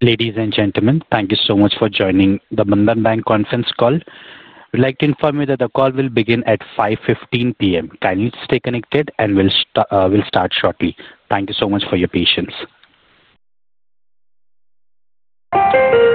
Ladies and gentlemen, thank you so much for joining the Bandhan Bank conference call. I would like to inform you that the call will begin at 5:15 P.M. Kindly stay connected and we'll start shortly. Thank you so much for your patience. SA. Good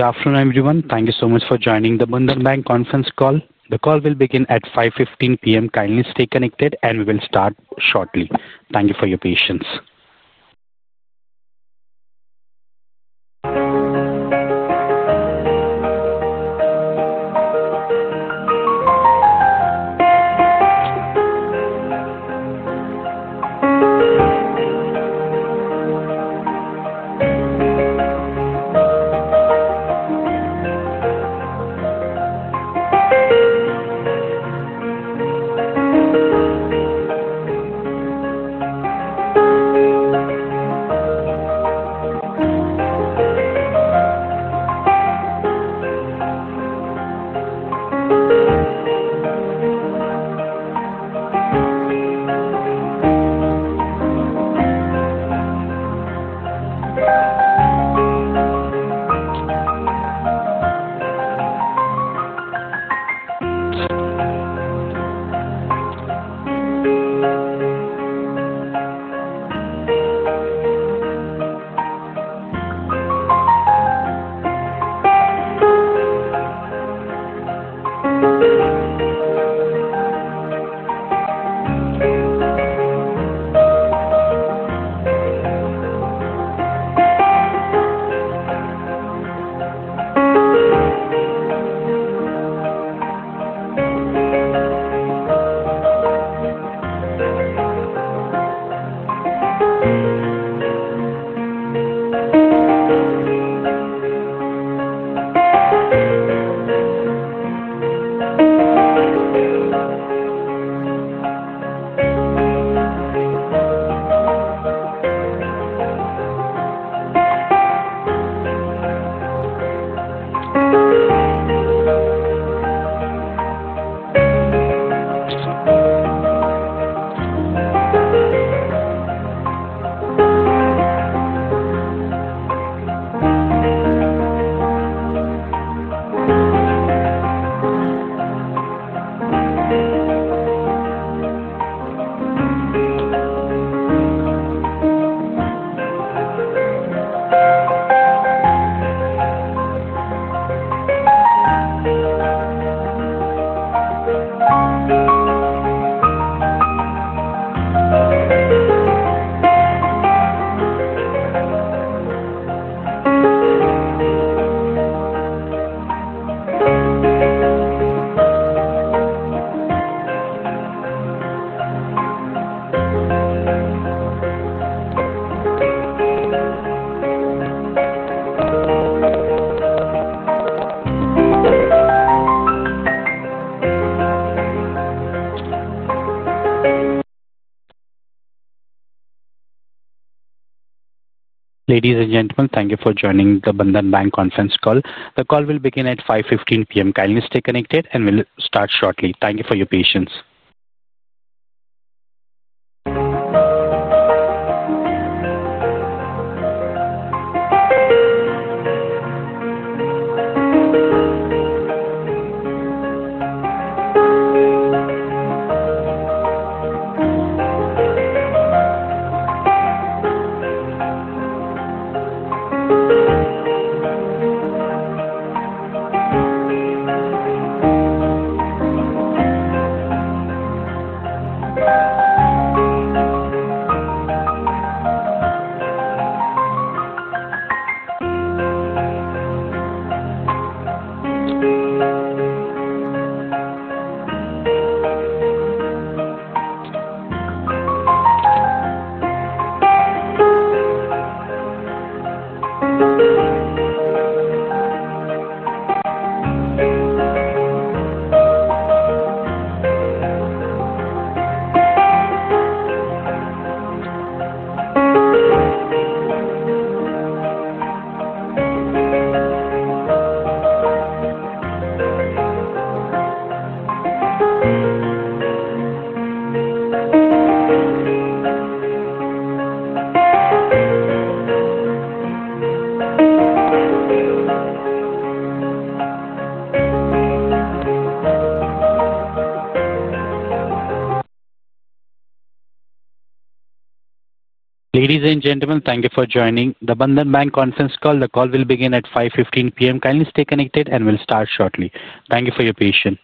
afternoon everyone. Thank you so much for joining the Bandhan Bank conference call. The call will begin at 5:15 P.M. Kindly stay connected and we will start shortly. Thank you for your patience. Foreign. Ladies and gentlemen, thank you for joining the Bandhan Bank conference call. The call will begin at 5:15 P.M. Kindly stay connected and we'll start shortly. Thank you for your patience.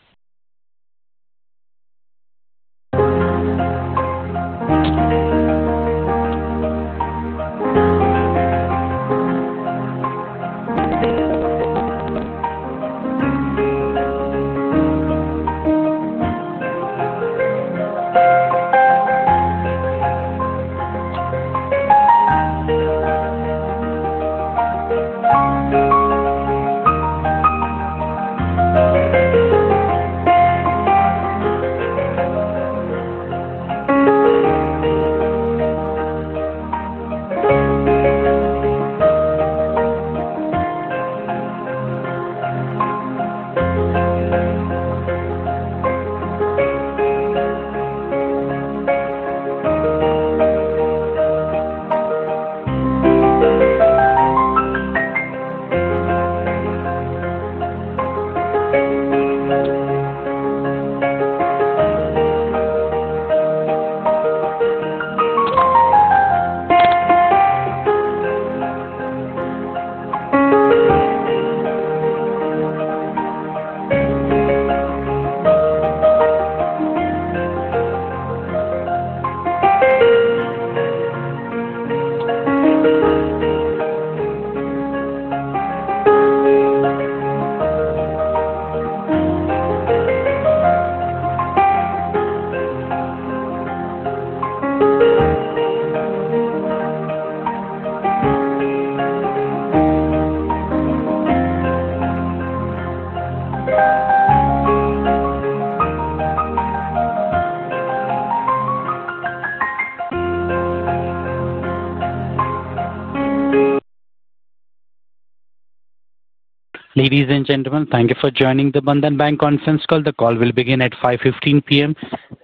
Ladies and gentlemen, thank you for joining the Bandhan Bank conference call. The call will begin at 5:15 P.M.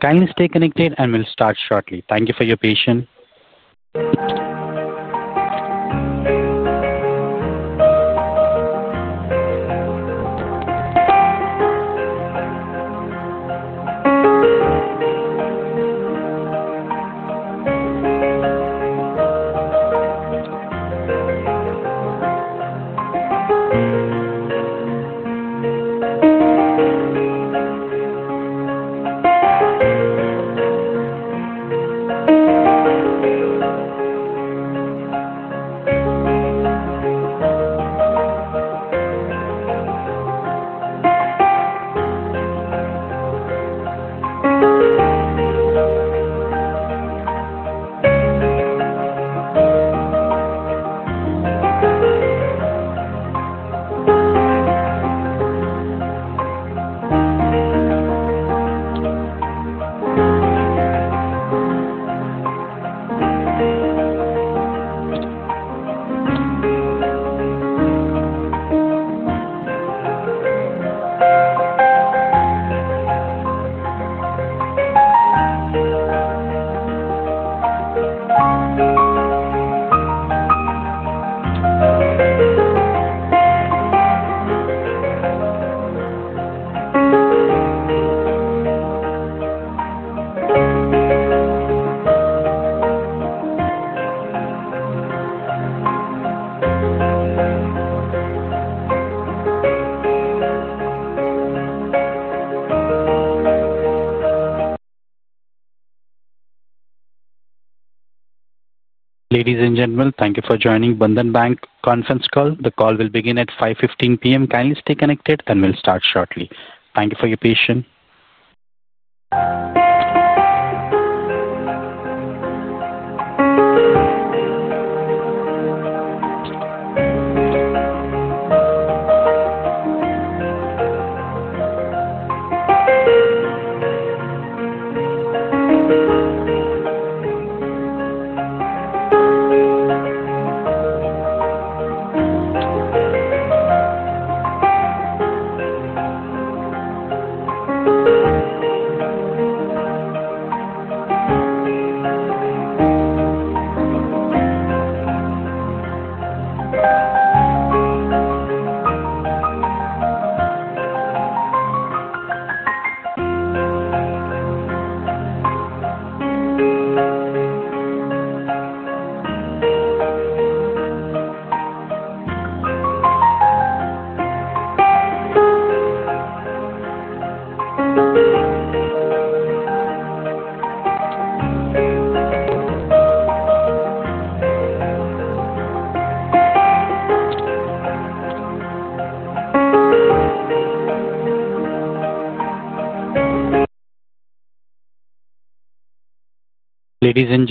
Kindly stay connected and we'll start shortly. Thank you for your patience.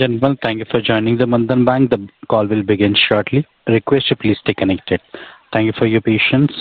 Ra Sam. Ladies and gentlemen, thank you for joining the Bandhan Bank. The call will begin shortly. Request you please stay connected. Thank you for your patience.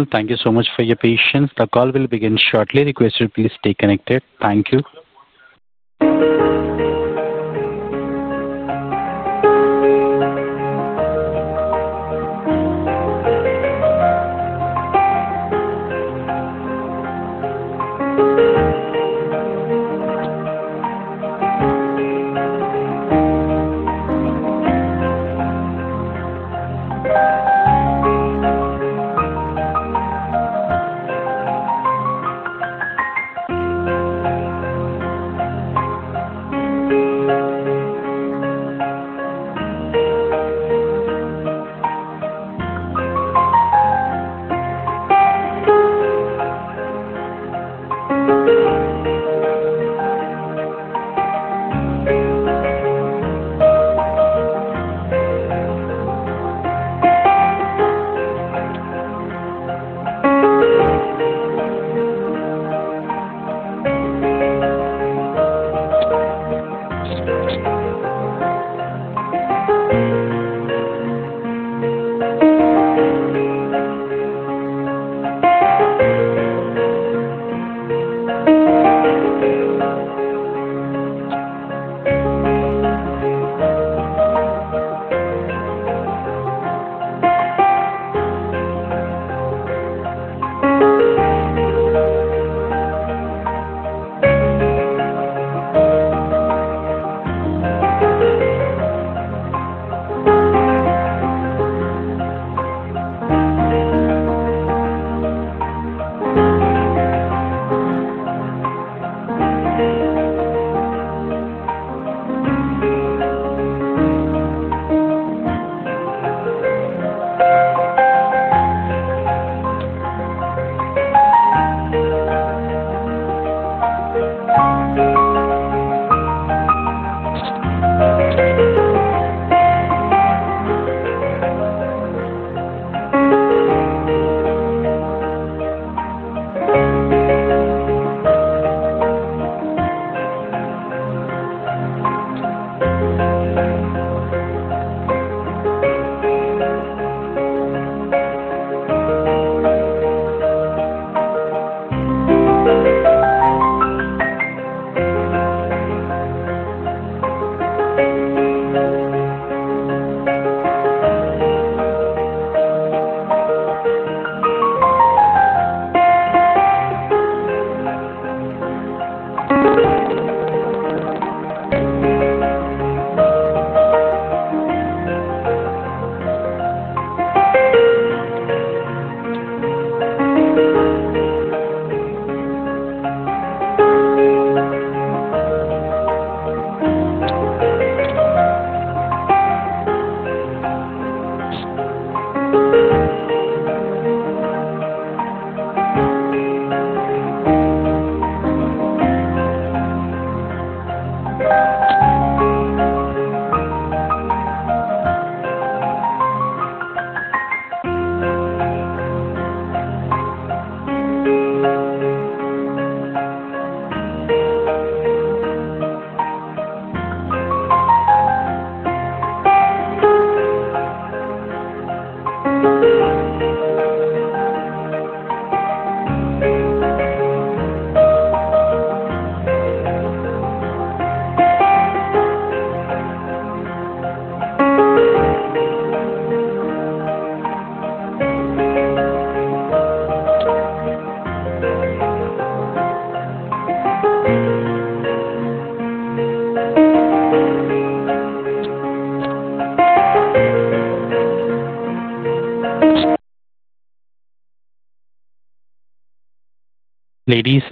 Sam. Sa. Sam. Ladies and gentlemen, thank you so much for your patience. The call will begin shortly. Please stay connected. Thank you,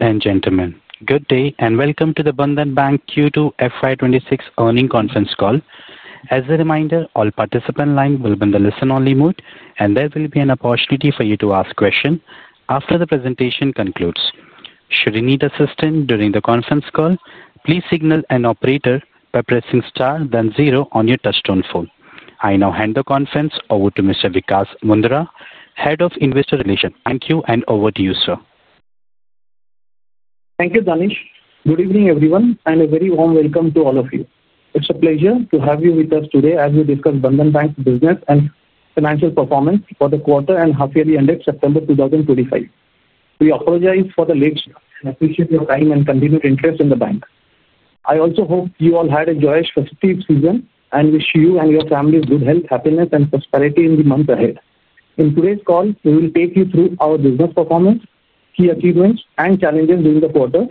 ladies and gentlemen. Good day and Welcome to the Bandhan Bank Q2 FY 2026 earnings conference call. As a reminder, all participant lines will be in listen-only mode and there will be an opportunity for you to ask questions after the presentation concludes. Should you need assistance during the conference call, please signal an operator by pressing star then zero on your touch-tone phone. I now hand the conference over to Mr. Vikash Mundhra, Head of Investor Relations. Thank you, and over to you, sir. Thank you. Danish, good evening everyone and a very warm welcome to all of you. Good morning. It's a pleasure to have you with us today as we discuss Bandhan Bank's business and financial performance for the quarter. the half year ended September 2025, we apologize for the late start and appreciate your time and continued interest in the bank. I also hope you all had a. Joyous festive season and wish you and your families good health, happiness, and prosperity. In the months ahead. In today's call, we will take you. Through our business performance, key achievements and challenges during the quarter.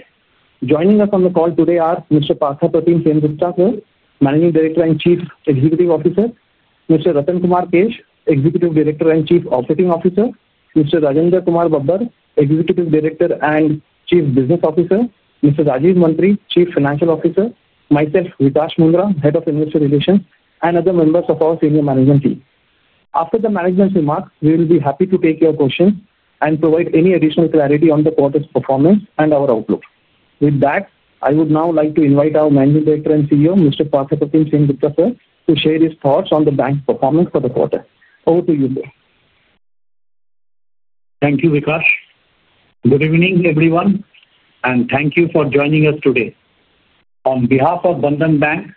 Joining us on the call today are Mr. Partha Pratim Sengupta, Managing Director and Chief Executive Officer, Mr. Ratan Kumar Kesh, Executive Director and Chief Operating Officer, Mr. Rajinder Kumar Babbar, Executive Director and Chief Business Officer, Mr. Rajeev Mantri, Chief. Financial Officer myself Vikash Mundhra, Head of. Industry Relations and other members of our Senior Management team. After the management's remarks, we will be happy to take your questions and provide. Any additional clarity on the quarter's performance and our outlook? With that, I would now like to invite our Managing Director and CEO Mr. Partha Pratim Sengupta to share. His thoughts on the bank's performance for the quarter. Over to you, Sir. Thank you, Vikash. Good evening, everyone, and thank you for joining us today. On behalf of Bandhan Bank,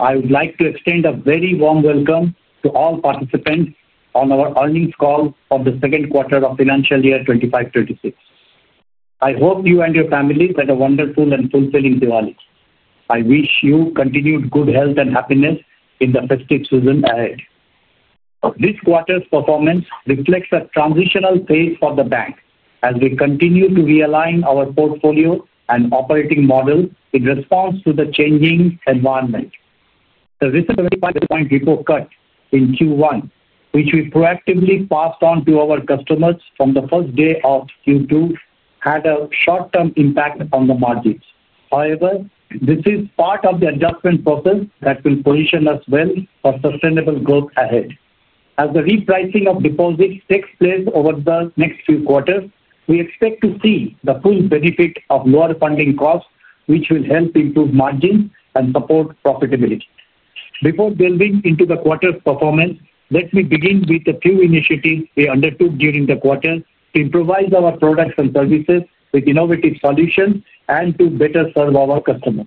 I would like to extend a very warm welcome to all participants on our earnings call of the second quarter of financial year 2025 2026. I hope you and your families had a wonderful and fulfilling Diwali. I wish you continued good health and happiness in the festive season ahead. This quarter's performance reflects a transitional phase for the bank as we continue to realign our portfolio and operating model in response to the changing environment. The recent 25 basis point repo cut in Q1, which we proactively passed on to our customers from the first day of Q2, had a short-term impact on the margins. However, this is part of the adjustment process that will position us well for sustainable growth ahead. As the repricing of deposits takes place over the next few quarters, we expect to see the full benefit of lower funding costs, which will help improve margins and support profitability. Before delving into the quarter's performance, let me begin with a few initiatives we undertook during the quarter to improvise our products and services with innovative solutions and to better serve our customers.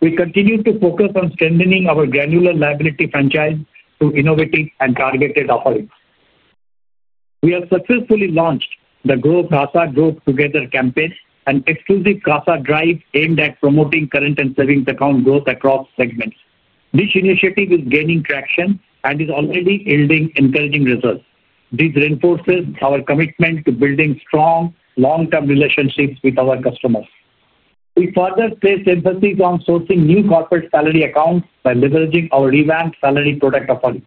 We continue to focus on strengthening our granular liability franchise through innovative and targeted offerings. We have successfully launched the Growth Together campaign, an exclusive CASA drive aimed at promoting current and savings account growth across segments. This initiative is gaining traction and is already yielding encouraging results. This reinforces our commitment to building strong, long-term relationships with our customers. We further place emphasis on sourcing new corporate salary accounts by leveraging our revamped salary product offerings.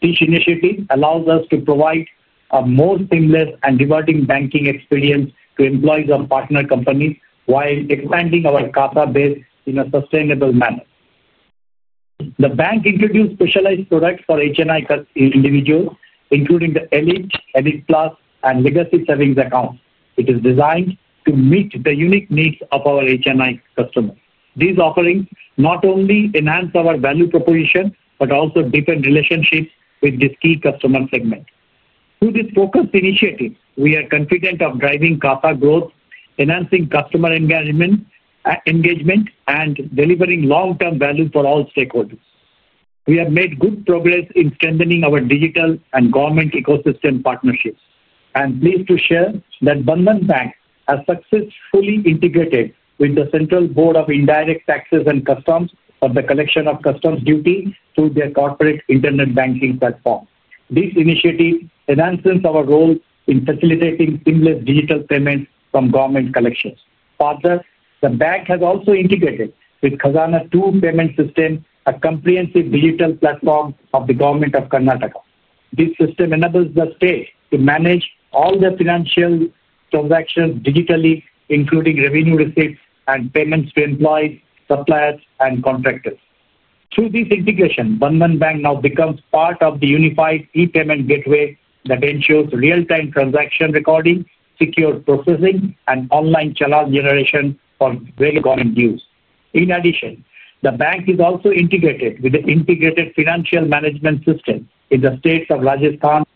Each initiative allows us to provide a more seamless and rewarding banking experience to employees of partner companies while expanding our CASA base in a sustainable manner. The bank introduced specialized products for HNI individuals, including the Elite Elite Plus and Legacy Savings accounts. It is designed to meet the unique needs of our HNI customers. These offerings not only enhance our value proposition but also deepen relationships with this key customer segment. Through this focused initiative, we are confident of driving CASA growth, enhancing customer engagement, and delivering long-term value for all stakeholders. We have made good progress in strengthening our digital and government ecosystem partnerships. I am pleased to share that Bandhan Bank has successfully integrated with the Central Board of Indirect Taxes and Customs for the collection of customs duty through their corporate Internet banking platform. This initiative enhances our role in facilitating seamless digital payments from government collections. Further, the bank has also integrated with Khajane 2 payment system, a comprehensive digital platform of the Government of Karnataka. This system enables the state to manage all the financial transactions digitally, including revenue receipts and payments to employees, suppliers, and contractors. Through this integration, one bank now becomes part of the Unified E Payment Gateway that ensures real-time transaction recording, secure processing, and online challan generation of very common use. In addition, the bank is also integrated with the Integrated Financial Management System in the state of Rajasthan, which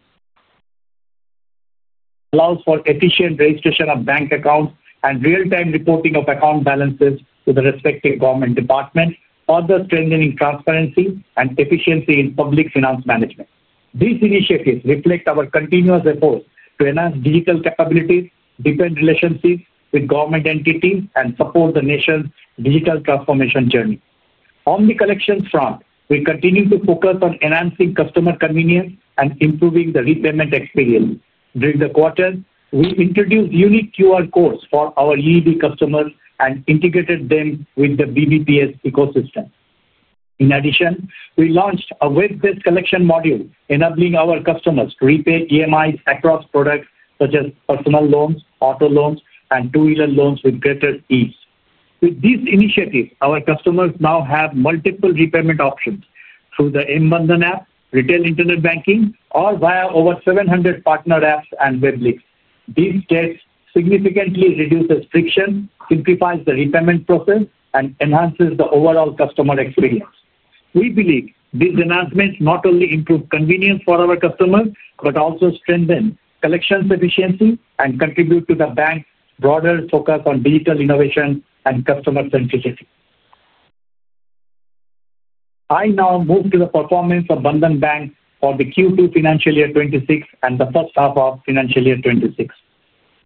allows for efficient registration of bank accounts and real-time reporting of account balances with the respective government department, further strengthening transparency and efficiency in public finance management. These initiatives reflect our continuous efforts to enhance digital capabilities, deepen relationships with government entities, and support the nation's digital transformation journey. On the collections front, we continue to focus on enhancing customer convenience and improving the repayment experience. During the quarter, we introduced unique QR codes for our EEB customers and integrated them with the BBPS ecosystem. In addition, we launched a web-based collection module enabling our customers to repay EMIs across products such as personal loans, auto loans, and two-wheeler loans with greater ease. With these initiatives, our customers now have multiple repayment options through the mBandhan app, retail Internet banking, or via over 700 partner apps and web links. These steps significantly reduce friction, simplify the repayment process, and enhance the overall customer experience. We believe these announcements not only improve convenience for our customers but also strengthen collections efficiency and contribute to the bank's broader focus on digital innovation and customer centricity. I now move to the performance of Bandhan Bank for Q2 financial year 2026 and the first half of financial year 2026.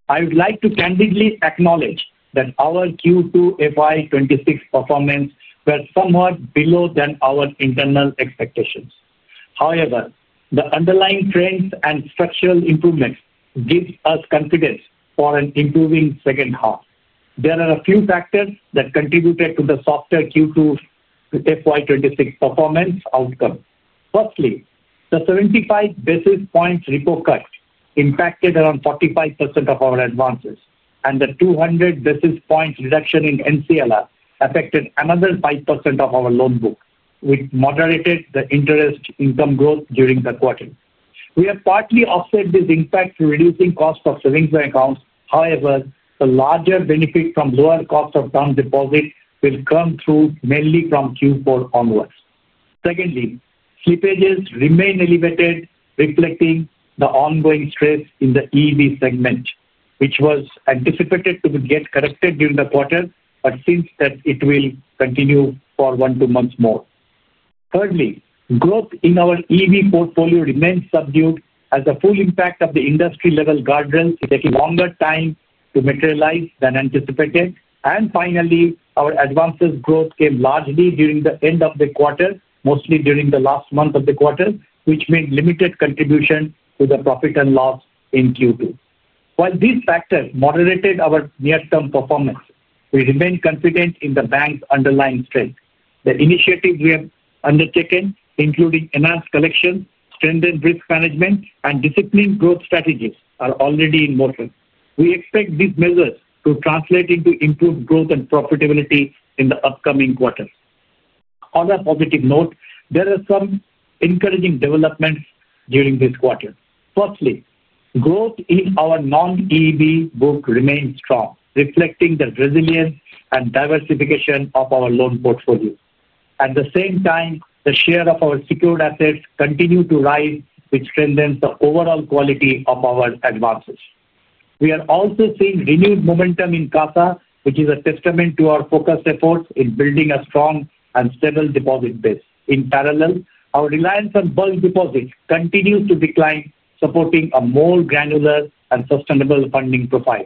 I would like to candidly acknowledge that our Q2 FY 2026 performance was somewhat below our internal expectations. However, the underlying trends and structural improvements give us confidence for an improving second half. There are a few factors that contributed to the softer Q2 FY 2026 performance outcome. Firstly, the 75 basis points repo cut impacted around 45% of our advances, and the 200 basis point reduction in NCLR affected another 5% of our loan book, which moderated the interest income growth during the quarter. We have partly offset this impact by reducing cost of savings by accounts. However, the larger benefit from lower cost of down deposit will come through mainly from Q4 onwards. Secondly, slippages remain elevated, reflecting the ongoing stress in the EEB segment, which was anticipated to get corrected during the quarter, but since that it will continue for 12 months more. Thirdly, growth in our EEB portfolio remains subdued as the full impact of the industry level guardrails is taking longer time to materialize than anticipated. Finally, our advances growth came largely during the end of the quarter, mostly during the last month of the quarter, which made limited contribution to the profit and loss in Q2. While these factors moderated our near term performance, we remain confident in the bank's underlying strength. The initiatives we have undertaken, including enhanced collection, strengthened risk management, and disciplined growth strategies, are already in motion. We expect these measures to translate into improved growth and profitability in the upcoming quarter. On a positive note, there are some encouraging developments during this quarter. Firstly, growth in our non-EEB book remains strong, reflecting the resilience and diversification of our loan portfolio. At the same time, the share of our secured assets continues to rise, which strengthens the overall quality of our advances. We are also seeing renewed momentum in CASA, which is a testament to our focused efforts in building a strong and stable deposit base. In parallel, our reliance on bulk deposit continues to decline, supporting a more granular and sustainable funding profile.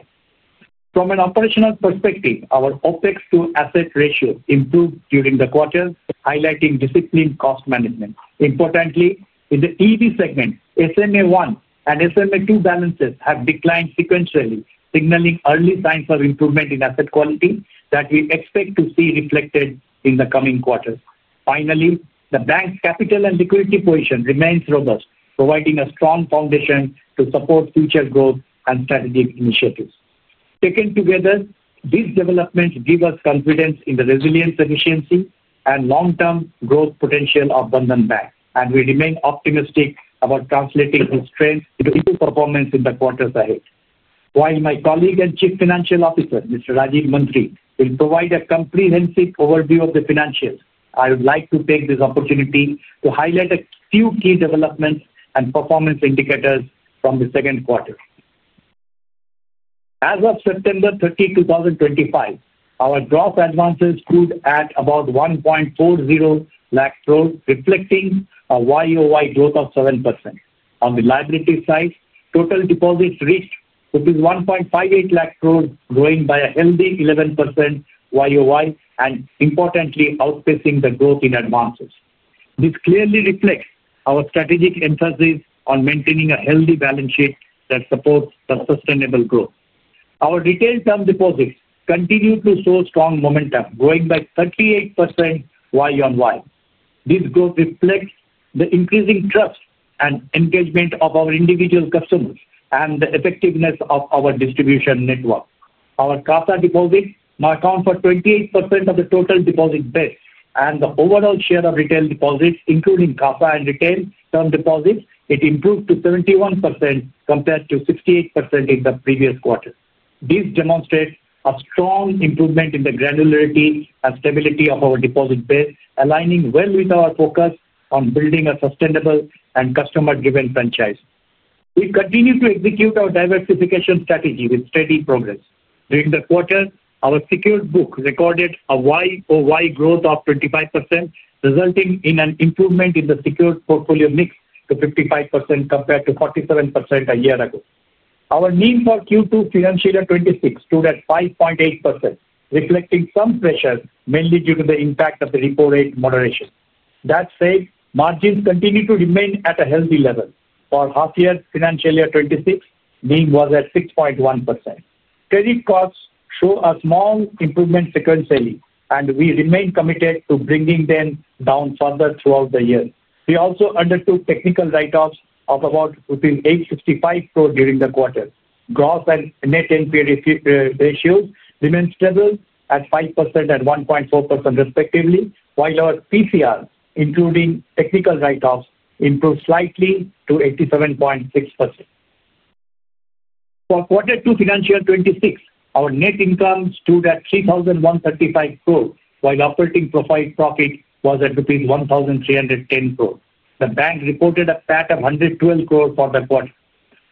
From an operational perspective, our OPEX to asset ratio improved during the quarter, highlighting disciplined cost management. Importantly, in the EEB segment, SMA 1 and SMA 2 balances have declined sequentially, signaling early signs of improvement in asset quality that we expect to see reflected in the coming quarters. Finally, the bank's capital and liquidity position remains robust, providing a strong foundation to support future growth and strategic initiatives. Taken together, these developments give us confidence in the resilience, efficiency, and long-term growth potential of Bandhan Bank and we remain optimistic about translating this trend into eco performance in the quarters ahead. While my colleague and Chief Financial Officer Mr. Rajeev Mantri will provide a comprehensive overview of the financials, I would like to take this opportunity to highlight a few key developments and performance indicators from the second quarter. As of September 30, 2025, our gross advances grew at about 1.40 lakh crore, reflecting a YoY growth of 7%. On the liability side, total deposits reached 1.58 lakh crore, growing by a healthy 11% YoY and importantly outpacing the growth in advances. This clearly reflects our strategic emphasis on maintaining a healthy balance sheet that supports sustainable growth. Our retail term deposits continue to show strong momentum, growing by 38% YoY. This growth reflects the increasing trust and engagement of our individual customers and the effectiveness of our distribution network. Our CASA deposits now account for 28% of the total deposit base and the overall share of retail deposits, including CASA and retail term deposits, improved to 31% compared to 68% in the previous quarter. These demonstrate a strong improvement in the granularity and stability of our deposit base, aligning well with our focus on building a sustainable and customer-driven franchise. We continue to execute our diversification strategy with steady progress during the quarter. Our secured book recorded a YoY growth of 25%, resulting in an improvement in the secured portfolio mix to 55% compared to 47% a year ago. Our NIM for Q2 Financial Year 2026 stood at 5.8%, reflecting some pressure mainly due to the impact of the repo rate moderation. That said, margins continue to remain at a healthy level. For half year Financial Year 2026, NIM was at 6.1%. Credit costs show a small improvement sequentially and we remain committed to bringing them down further throughout the year. We also undertook technical write-offs of about rupees 865 crore during the quarter. Gross and net NPA ratios remained stable at 5% and 1.4% respectively, while our PCR including technical write-offs improved slightly to 87.6%. For quarter two financial 2026, our net income stood at 3,135 crore while operating profit was at rupees 1,310 crore. The bank reported a PAT of 112 crore for the quarter.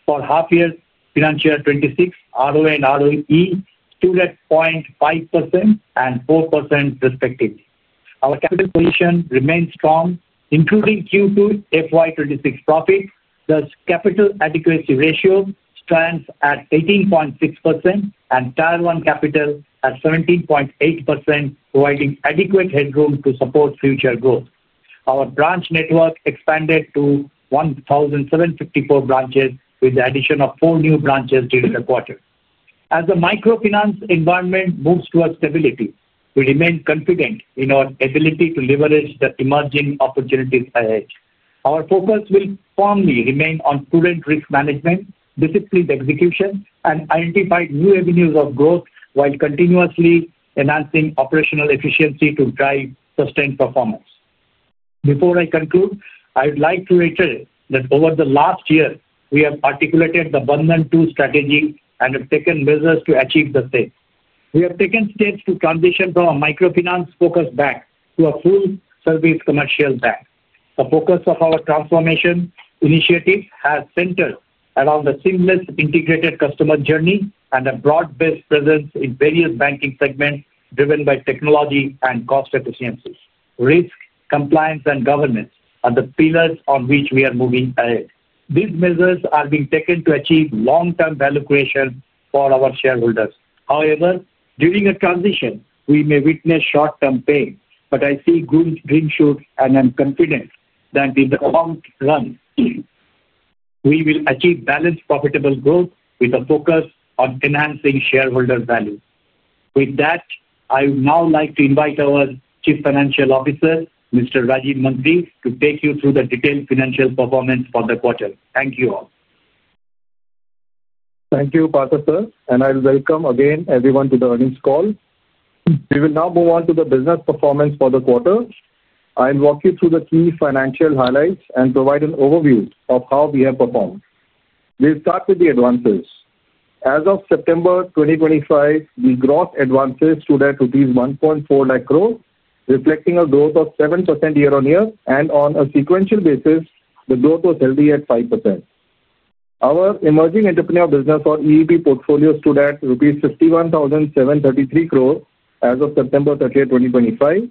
For half year financial 2026, ROA and ROE stood at 0.5% and 4% respectively. Our capital position remains strong including Q2 FY 2026 profit. Thus, capital adequacy ratio stands at 18.6% and Tier 1 capital at 17.8%, providing adequate headroom to support future growth. Our branch network expanded to 1,754 branches with the addition of four new branches during the quarter. As the microfinance environment moves towards stability, we remain confident in our ability to leverage the emerging opportunities ahead. Our focus will firmly remain on prudent risk management, disciplined execution, and identifying new avenues of growth while continuously enhancing operational efficiency to drive sustained performance. Before I conclude, I would like to reiterate that over the last year we have articulated the BAND and II strategy and have taken measures to achieve the same. We have taken steps to transition from a microfinance-focused bank to a full-service commercial bank. The focus of our transformation initiative has centered around the seamless integrated customer journey and a broad-based presence in various banking segments driven by technology and cost efficiencies. Risk, compliance, and governance are the pillars on which we are moving ahead. These measures are being taken to achieve long-term value creation for our shareholders. However, during a transition we may witness short-term pain, but I see green shoots and I'm confident that in the long run we will achieve balanced profitable growth with a focus on enhancing shareholder value. With that, I would now like to invite our Chief Financial Officer Mr. Rajeev Mantri to take you through the detailed financial performance for the quarter. Thank you all. Thank you, Pharta sir, and I welcome again everyone to the earnings call. We will now move on to the business performance for the quarter. I'll walk you through the key financial highlights and provide an overview of how we have performed. We'll start with the advances. As of September 2025, the gross advances stood at 1.4 lakh crore, reflecting a growth of 7% year on year, and on a sequential basis, the growth was healthy at 5%. Our emerging entrepreneur business or EEB portfolio stood at 51,733 crore rupees as of September 30, 2025,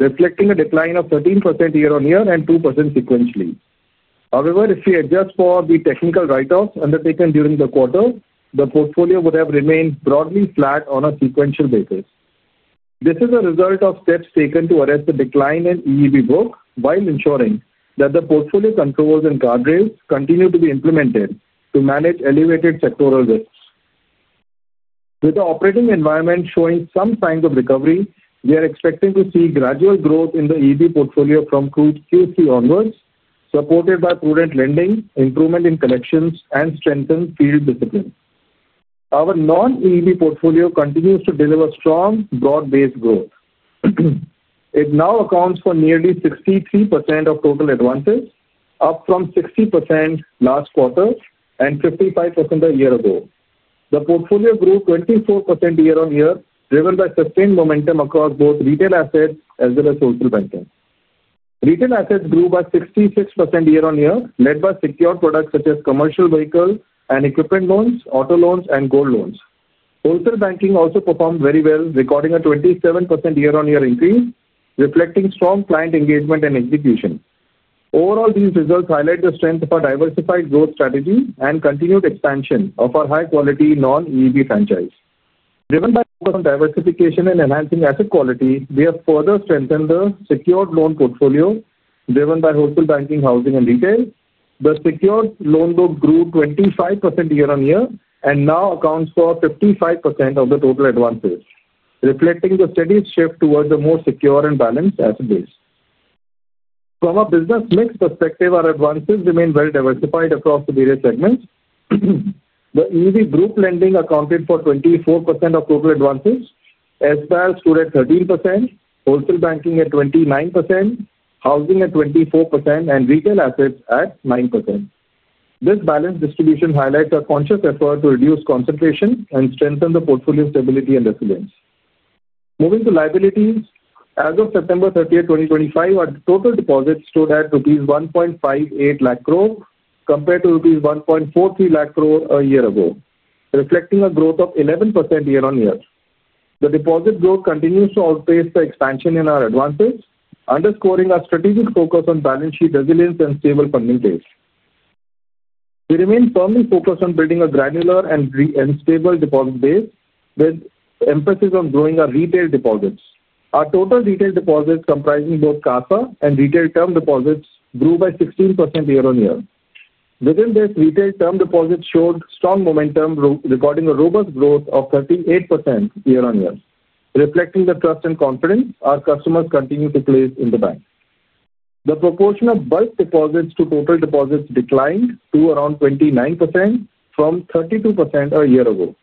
reflecting a decline of 13% year on year and 2% sequentially. However, if we adjust for the technical write-offs undertaken during the quarter, the portfolio would have remained broadly flat on a sequential basis. This is a result of steps taken to address the decline in the EEB book while ensuring that the portfolio controls and guardrails continue to be implemented to manage elevated sectoral risks. With the operating environment showing some signs of recovery, we are expecting to see gradual growth in the EEB portfolio from Q2 onwards, supported by prudent lending, improvement in collections, and strengthened field discipline. Our non-EEB portfolio continues to deliver strong, broad-based growth. It now accounts for nearly 63% of total advances, up from 60% last quarter and 55% a year ago. The portfolio grew 24% year on year, driven by sustained momentum across both retail assets as well as social banking. Retail assets grew by 66% year on year, led by secured products such as commercial vehicle loans and equipment loans, auto loans, and gold loans. Wholesale banking also performed very well, recording a 27% year on year increase, reflecting strong client engagement and execution. Overall, these results highlight the strength of our diversified growth strategy and continued expansion of our high-quality non-EEB franchise, driven by focus on diversification and enhancing asset quality. We have further strengthened the secured loan portfolio, driven by wholesale banking, housing, and retail. The secured loan book grew 25% year on year and now accounts for 55% of the total advances, reflecting the steady shift towards a more secure and balanced asset base. From a business mix perspective, our advances remain well diversified across the various segments. The EEB group lending accounted for 24% of total advances. SBAL stood at 13%, wholesale banking at 29%, housing at 24%, and retail assets at 9%. This balanced distribution highlights a conscious effort to reduce concentration and strengthen the portfolio stability and resilience. Moving to liabilities, as of September 30, 2025, our total deposits stood at rupees 1.58 lakh crore compared to rupees 1.43 lakh crore a year ago, reflecting a growth of 11% year on year. The deposit growth continues to outpace the expansion in our advances, underscoring our strategic focus on balance sheet resilience and stable funding base. We remain firmly focused on building a granular and stable deposit base with emphasis on growing our retail deposits. Our total retail deposits, comprising both CASA and retail term deposits, grew by 16% year on year. Within this, retail term deposits showed strong momentum, recording a robust growth of 38% year on year, reflecting the trust and confidence our customers continue to place in the bank. The proportion of bulk deposits to total deposits declined to around 29% from 32% a year ago.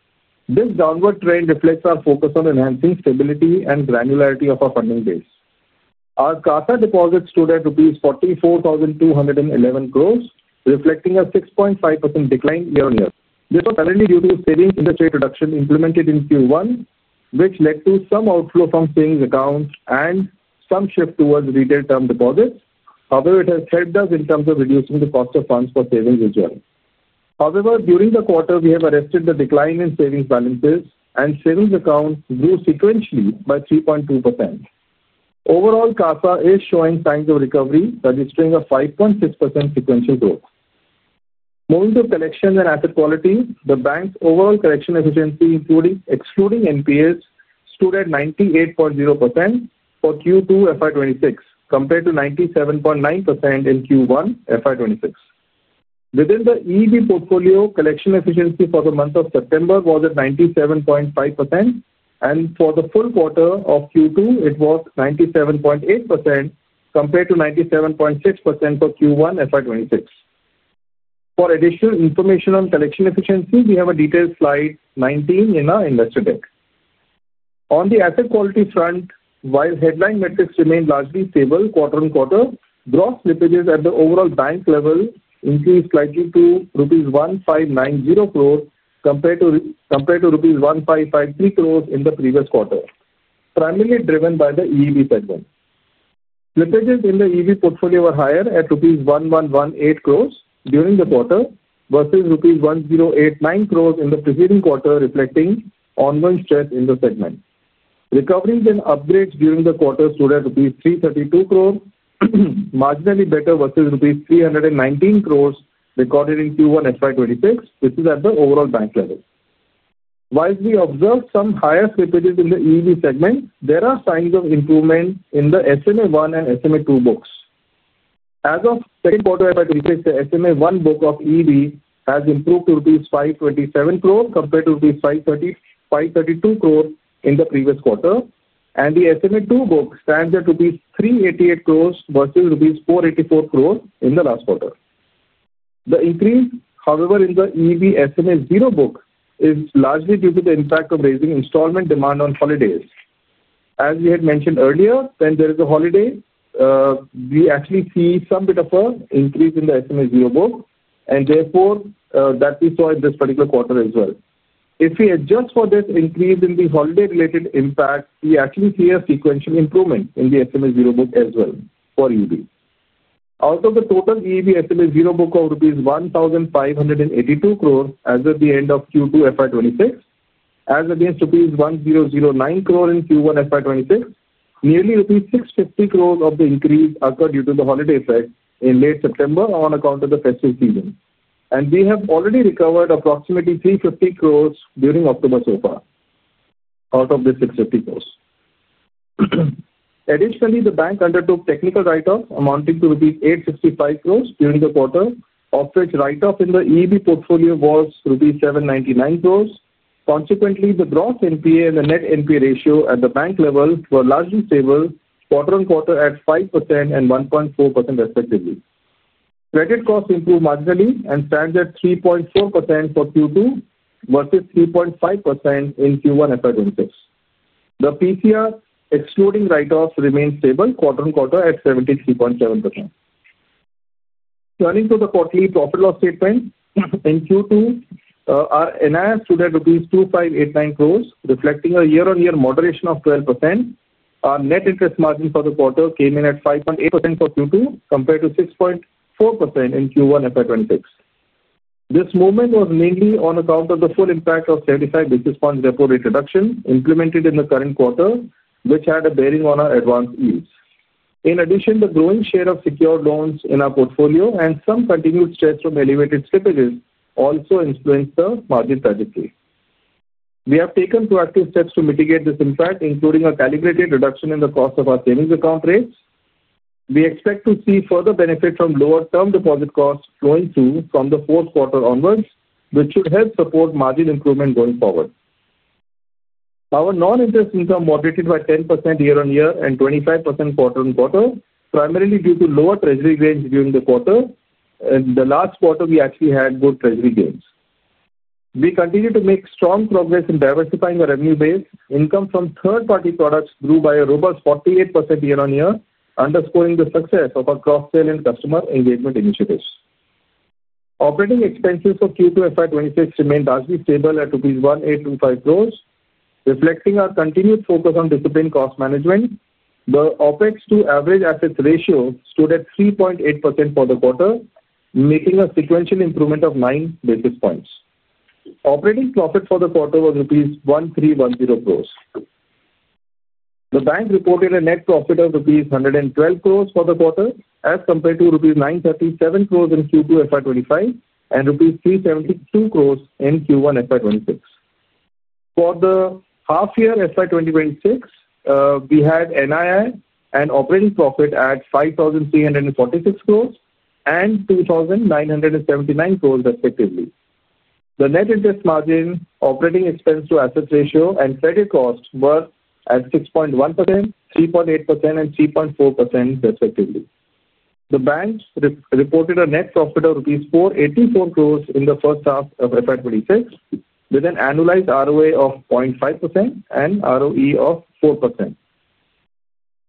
This downward trend reflects our focus on enhancing stability and granularity of funding base. Our CASA deposit stood at rupees 44,211 crore, reflecting a 6.5% decline year on year. This was primarily due to savings interest rate reduction implemented in Q1, which led to some outflow from savings accounts and some shift towards retail term deposits. However, it has helped us in terms of reducing the cost of funds for savings insurance. However, during the quarter, we have arrested the decline in savings balance and savings account grew sequentially by 3.2%. Overall, CASA is showing signs of recovery, registering a 5.6% sequential growth. Moving to collection and asset quality, the bank's overall collection efficiency excluding NPAs stood at 98.0% for Q2 FY 2026 compared to 97.9% in Q1FY 2026. Within the EEB, portfolio collection efficiency for the month of September was at 97.5% and for the full quarter of Q2 it was 97.8% compared to 97.6% for Q1 FY 2026. For additional information on collection efficiency, we have a detailed slide 19 in our investor deck. On the asset quality front, while headline metrics remain largely stable, quarter on quarter gross slippages at the overall bank level increased slightly to rupees 1,590 crore compared to rupees 1,553 crore in the previous quarter, primarily driven by the EEB segment. Slippages in the EEB portfolio were higher at rupees 1,118 crore during the quarter versus rupees 1,089 crore in the preceding quarter, reflecting ongoing stress in the segment. Recoveries and upgrades during the quarter stood at rupees 332 crore, marginally better versus rupees 319 crore recorded in Q1 FY 2026. This is at the overall bank level. While we observe some higher slippages in the EEB segment, there are signs of improvement in the SMA 1 and SMA 2 books. As of the second quarter, the SMA 1 book of EEB has improved to rupees 527 crore compared to rupees 532 crore in the previous quarter, and the SMA2 book stands at rupees 388 crore versus rupees 484 crore in the last quarter. The increase, however, in the EEB SMA 0 book is largely due to the impact of raising installment demand on holidays. As we had mentioned earlier, when there is a holiday, we actually see some bit of an increase in the SMA 0 book, and therefore that we saw in this particular quarter as well. If we adjust for this increase in the holiday-related impact, we actually see a sequential improvement in the SMA 0 book as well for EEB. Out of the total EEB SMA 0 book of rupees 1,582 crore as of the end of Q2 FY 2026, as against rupees 1,009 crore in Q1FY 2026, nearly rupees 650 crore of the increase occurred due to the holiday threat in late September on account of the festive season, and we have already recovered approximately 350 crore during October so far out of the 650 crore. Additionally, the bank undertook technical write-off amounting to rupees 865 crore during the quarter, of which write-off in the EEB portfolio was rupees 799 crore. Consequently, the gross NPA and the net NPA ratio at the bank level were largely stable quarter on quarter at 5% and 1.4% respectively. Credit costs improved marginally and stand at 3.4% for Q2 versus 3.5% in Q1 FY 2026. The PCR excluding write-offs remains stable quarter on quarter at 73.7%. Turning to the quarterly profit and loss statement, in Q2 our NIS stood at 25.89 crore, reflecting a year-on-year moderation of 12%. Our net interest margin for the quarter came in at 5.8% for Q2 compared to 6.4% in Q1 FY 2026. This movement was mainly on account of the full impact of 75 basis points deposit rate reduction implemented in the current quarter, which had a bearing on our advance yields. In addition, the growing share of secured loans in our portfolio and some continued stress from elevated slippages also influenced the margin trajectory. We have taken proactive steps to mitigate this impact, including a calibrated reduction in the cost of our savings account rates. We expect to see further benefit from lower term deposit costs flowing through from the fourth quarter onwards, which should help support margin improvement going forward. Our non-interest income moderated by 10% year on year and 25% quarter on quarter, primarily due to lower treasury gains during the quarter. In the last quarter, we actually had good treasury gains. We continue to make strong progress in diversifying our revenue base. Income from third party products grew by a robust 48% year on year, underscoring the success of our cross-sell and customer engagement initiatives. Operating expenses for Q2 FY 2026 remained largely stable at INR 18.25 crore, reflecting our continued focus on disciplined cost management. The OpEx to average assets ratio stood at 3.8% for the quarter, making a sequential improvement of 9 basis points. Operating profit for the quarter was rupees 1,310 crore. The bank reported a net profit of rupees 112 crore for the quarter as compared to rupees 937 crore in Q2 FY2025 and rupees 372 crore in Q1 FY 2026. For the half year FY2026, we had NII and operating profit at 5,346 crore and 2,979 crore, respectively. The net interest margin, operating expense to assets ratio, and credit cost were at 6.1%, 3.8%, and 3.4%, respectively. The bank reported a net profit of rupees 484 crore in the first half of FY 2026 with an annualized ROA of 0.5% and ROE of 4%.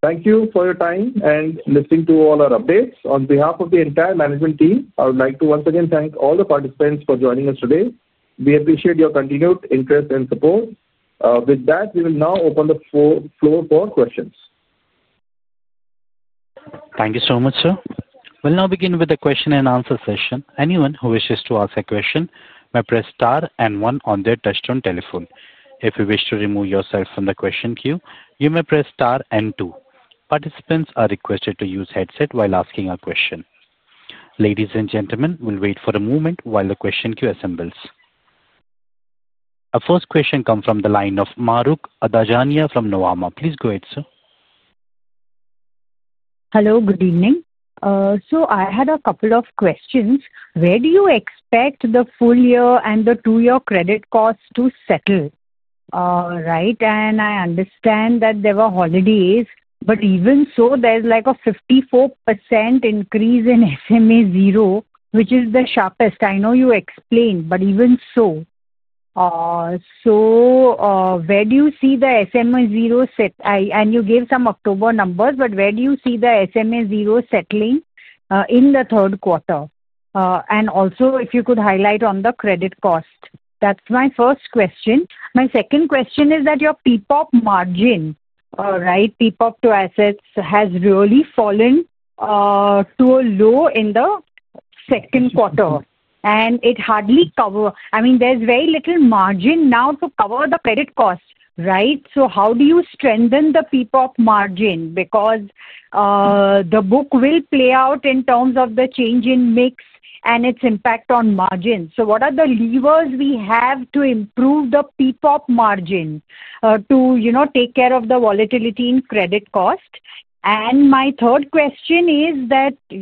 Thank you for your time and listening to all our updates. On behalf of the entire management team, I would like to once again thank all the participants for joining us today. We appreciate your continued interest and support. With that, we will now open the floor for questions. Thank you so much, sir. We'll now begin with a question and answer session. Anyone who wishes to ask a question may press star and one on their touch-tone telephone. If you wish to remove yourself from the question queue, you may press star and two. Participants are requested to use a headset while asking a question. Ladies and gentlemen, we'll wait for a moment while the question queue assembles. The first question comes from the line of Mahrukh Adajania from Nuvama. Please go ahead, sir. Hello, good evening. I had a couple of questions. Where do you expect the full year and the two year credit costs to settle? I understand that there were holidays, but even so there's like a 54% increase in SMA 0, which is the sharpest. I know you explained, but even so, where do you see the SMA 0 set, and you gave some October numbers, but where do you see the SMA 0 settling in the third quarter? If you could highlight on the credit cost, that's my first question. My second question is that your PPOP margin, right, PPOP to assets, has really fallen to a low in the second quarter and it hardly covers. I mean, there's very little margin now to cover the credit cost, right? How do you strengthen the PPOP margin? The book will play out in terms of the change in mix and its impact on margin. What are the levers we have to improve the PPOP margin to take care of the volatility in credit cost? My third question is that in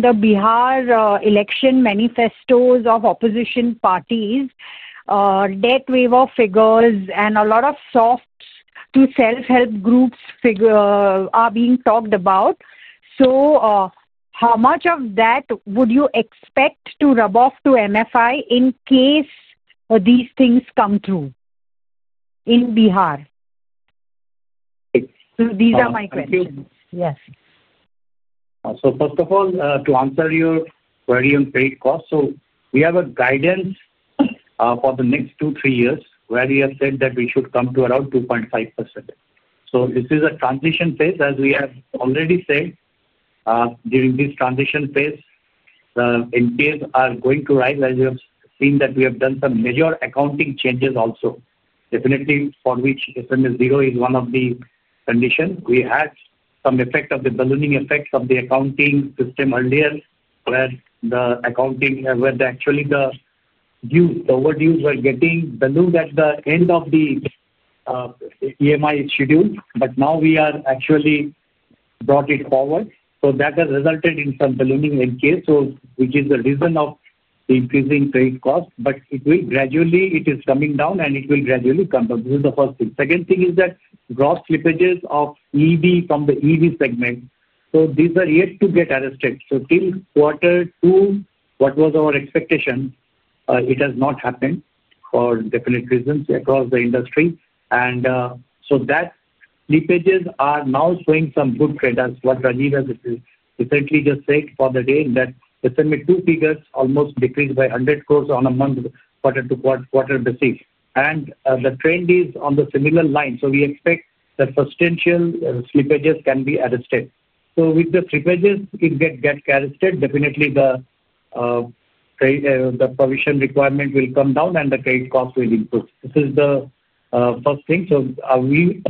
the Bihar election manifestos of opposition parties, debt waiver figures and a lot of soft to self help groups are being talked about. How much of that would you expect to rub off to MFI in case these things come through in Bihar? These are my questions. Yes. First of all, to answer your query on freight cost, we have a guidance for the next two, three years where we have said that we should come to around 2.5%. This is a transition phase, as we have already said. During this transition phase, the NPAs are going to rise. As you have seen, we have done some major accounting changes also, definitely, for which SMA 0 is one of the conditions. We had some effect of the ballooning effects of the accounting system earlier, where actually the dues, overdues, are getting ballooned at the end of the EMI schedule, but now we have actually brought it forward. That has resulted in some ballooning NPA, which is the reason for increasing trade cost. It is coming down and it will gradually come down. This is the first thing. The second thing is that slippages of EEB from the EEB segment are yet to get arrested. Till quarter two, what was our expectation? It has not happened for definite reasons across the industry, and so those leakages are now showing some good trend, as what Ratan Kesh definitely just said for the day, that the SMA 2 figures almost decreased by 100 crore on a quarter-to-quarter basis, and the trend is on the similar line. We expect the substantial slippages can. Be at a stage. With the slippages it gets casted. Definitely the provision requirement will come down and the credit cost will improve. This is the first thing.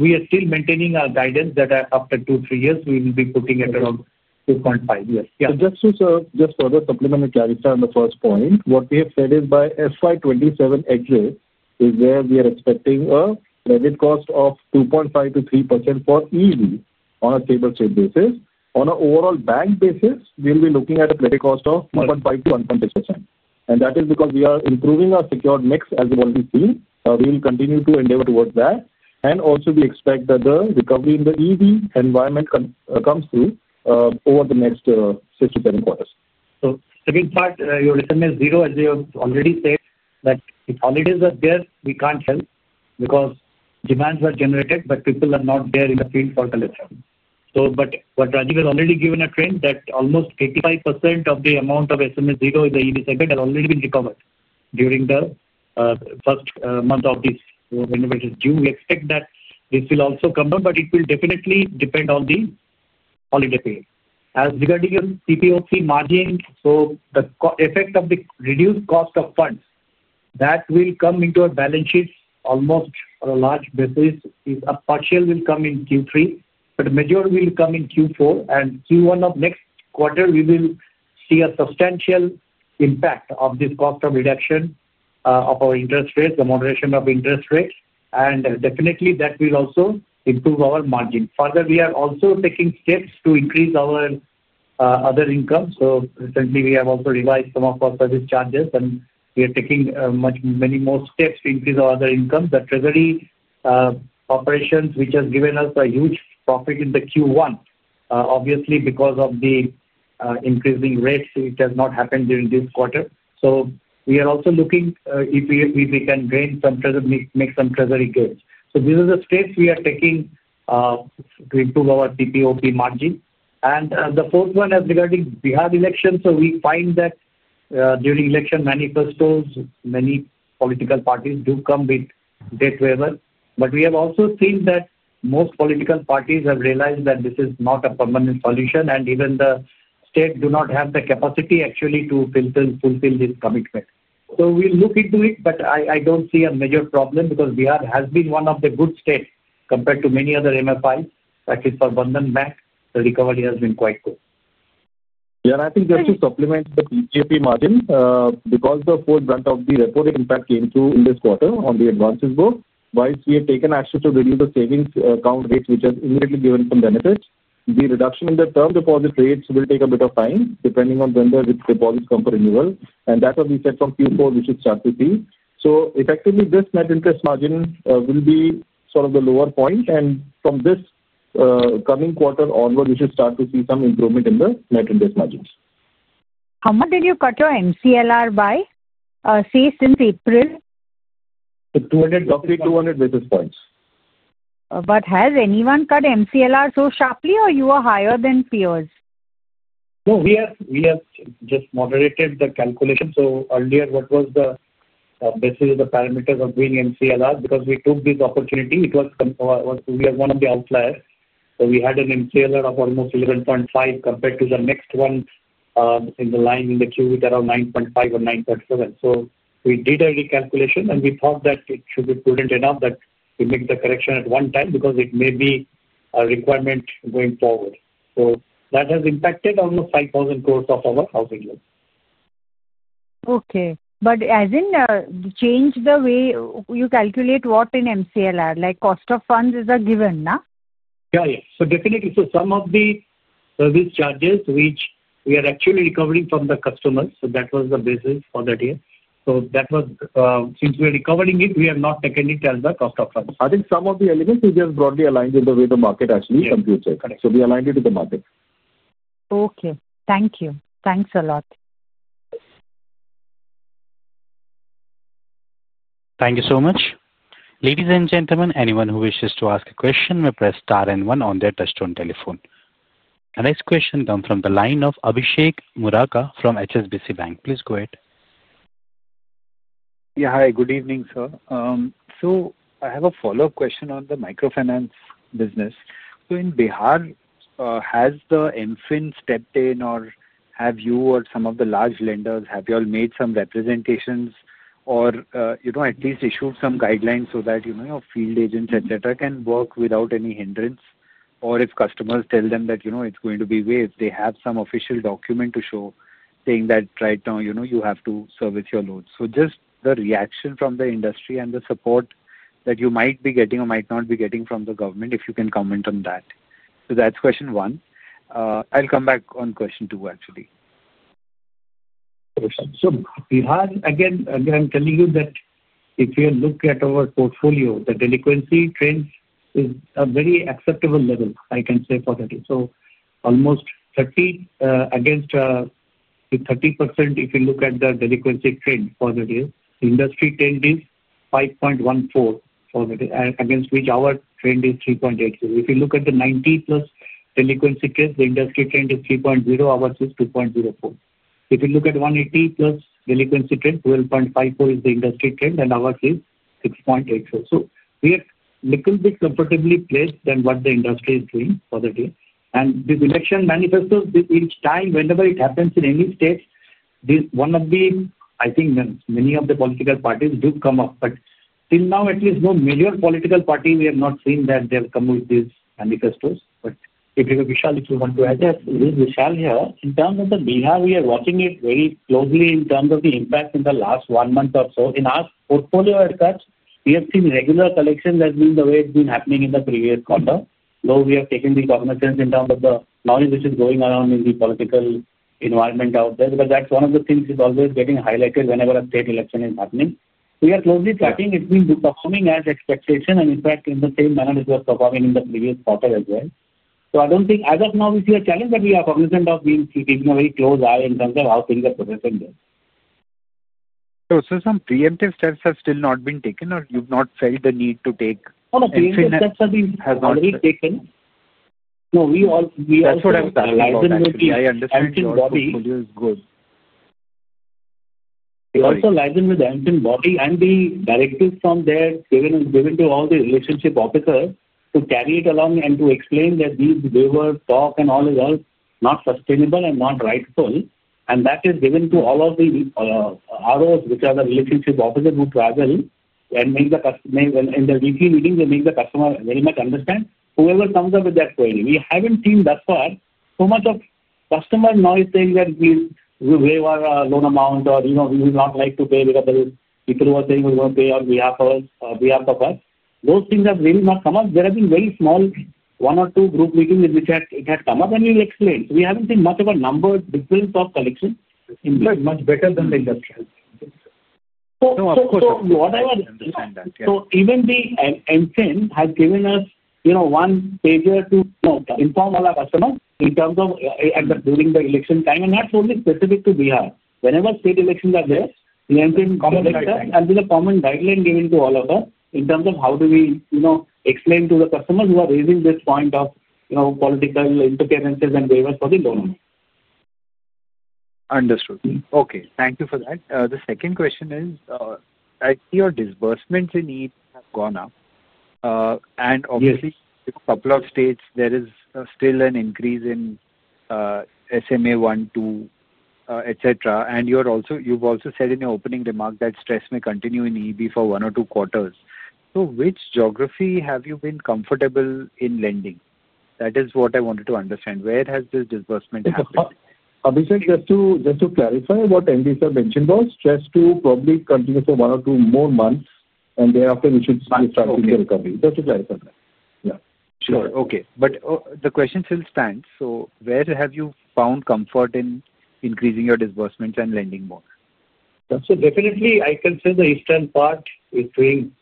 We are still maintaining our guidance that after two three years we will be putting it around 2.5. Yes. Yeah. Just to further complement clarity on the first point, what we have said is by FY 2027 exit is where we are expecting a credit costof 2.5% - 3% for EEB on a stable state basis. On an overall bank basis, we'll be looking at a cost of 1.5% - 1.6%, and that is because we are improving our secured mix. As we've already seen, we will continue to endeavor towards that, and also we expect that the recovery in the EEB environment comes through over the next six to seven quarters. The second part, your resume is zero. As we have already said, if holidays are there, we can't help because demands are generated but people are not there in the field for the lesson. What Rajeev has already given is a trend that almost 85% of the amount of SMA 0 in the EEB segment has already been recovered during the first month of this June. We expect that this will also come down, but it will definitely depend on the holiday period. As regarding your CPO3 margin, the effect of the reduced cost of funds will come into our balance sheets almost on a large basis. A partial will come in Q3, but the majority will come in Q4, and Q1 of next quarter we will see a substantial impact of this cost of reduction of our interest rates, the moderation of interest rate, and definitely that will also improve our margin. Further, we are also taking steps to increase our other income. Recently, we have also revised some of our service charges, and we are taking many more steps to increase our other income. The treasury operations, which has given us a huge profit in Q1, obviously because of the increasing rates, has not happened during this quarter. We are also looking if we can gain some treasury, make some treasury case. These are the steps we are taking to improve our PPOP margin. As regarding Bihar elections, we find that during election manifestos, many political parties do come with debt waivers. We have also seen that most political parties have realized that this is not a permanent solution, and even the state does not have the capacity actually to fulfill this commitment. We look into it, but I don't see a major problem because Bihar has been one of the good states compared to many other MFIs. Actually, for Bandhan Bank, the recovery has been quite good. Yeah. I think that should supplement the NIM because the forefront of the reporting impact came through in this quarter on the advances book. While we have taken action to reduce the savings account rates, which has immediately given some benefits, the reduction in the retail term deposit rates will take a bit of time depending on when the deposits come for renewal. That's what we said from Q4. We should start to see, so effectively this net interest margin will be sort of the lower point. From this coming quarter onward, we should start to see some improvement in the net interest margins. How much did you cut your MCLR by, say, since April? 200? Roughly 200 basis points. Has anyone cut MCLR so sharply, or are you higher than peers? No, we are. We have just moderated the calculation. Earlier, what was the way of doing MCLR, because we took this opportunity, we are one of the outliers. We had an MCLR of almost 11.5% compared to the next one in the queue with around 9.5% or 9.7%. We did a recalculation and we thought that it should be prudent enough that we make the correction at one time because it may be a requirement going forward. That has impacted almost 5,000 crore of our housing. Okay, as in change the way you calculate what in MCLR, like cost of funds is a given now. Yeah, yeah. Definitely, some of the service charges which we are actually recovering from the customers, that was the basis for that year. Since we are recovering it, we have not taken it as the cost of funds. I think some of the elements are broadly aligned in the way the market actually computes it. We align you to the market. Okay, thank you. Thanks a lot. Thank you so much. Ladies and gentlemen, anyone who wishes to ask a question may press star and 1 on their touchstone telephone. The next question comes from the line of Abhishek Murarka from HSBC Bank. Please go ahead. Yeah. Hi. Good evening, sir. I have a follow-up question on the microfinance business in Bihar. Has the INFIN stepped in, or have you or some of the large lenders made some representations or issued some guidelines so that your field agents can work without any hindrance? If customers tell them that it's going to be waived, do they have some official document to show, saying that right now you have to service your loan? Just the reaction from the industry and the support that you might be getting or might not be getting from the government, if you can comment on that. That's question one. I'll come back on question two actually. Bihar again I'm telling you that if you look at our portfolio, the delinquency trends are at a very acceptable level. I can say for that. Almost 30 against 30%. If you look at the delinquency trend for the day, industry trend is 5.14% against which our trend is 3.8%. If you look at the 90+ delinquency case, the industry trend is 3.0%, ours is 2.04%. If you look at 180+ delinquency trend, 12.54% is the industry trend and ours is 6.84%. We are a little bit comfortably placed than what the industry is doing for the day. This election manifesto, each time whenever it happens in any state, this is one of the things. I think many of the political parties do come up, but till now at least no major political party, we have not seen that they have come with these manifestos. Vishal, if you want to adjust, this is Vishal here. In terms of Bihar, we are watching it very closely. In terms of the impact in the last one month or so in our portfolio cuts, we have seen regular collection. That's been the way it's been happening in the previous quarter, though we have taken the cognizance in terms of the knowledge which is going around in the political environment out there. That's one of the things always getting highlighted whenever a state election is happening. We are closely tracking. It's been performing as expectation and in fact in the same manner it was performing in the previous quarter as well. I don't think as of now we see a challenge, but we are cognizant of being keeping a very close eye in terms of how things are progressing there. Some preemptive steps have still not been taken, or you've not felt the need to take. Body and the directive from there given and given to all the Relationship Officers to carry it along and to explain that these waivers talk and all is all not sustainable and not rightful. That is given to all of the ROs, which are the Relationship Officers who travel and meet the customer in their weekly meetings. They make the customer very much understand whoever comes up with that query. We haven't seen thus far so much of customer noise saying that we waive our loan amount or, you know, we would not like to pay because people were saying we want to pay on behalf of us. Those things have really not come up. There have been very small one or two group meetings in which it had come up and we will explain. We haven't seen much of a number difference of collection, much better than the industrial. Even the MFIM has given us, you know, one failure to inform all our customers in terms of during the election time and that's only specific to Bihar whenever state elections are there and with a common guideline given to all of us in terms of how do we, you know, explain to the customers who are raising this point of, you know, political interferences and waivers for the donors. Understood. Okay, thank you for that. The second question is your disbursements in EEB have gone up and obviously a couple of states there is still an increase in SMA 1, SMA 2, etc. and you are also, you've also said in your opening remark that stress may continue in EEB for one or two quarters. Which geography have you been comfortable in lending? That is what I wanted to understand. Where has this disbursement? Just to clarify, what MD sir mentioned was stress to probably continue for one or two more months and thereafter we should. Okay, but the question still stands. Where have you found comfort in increasing your disbursements and lending more so. Definitely I consider the eastern part is doing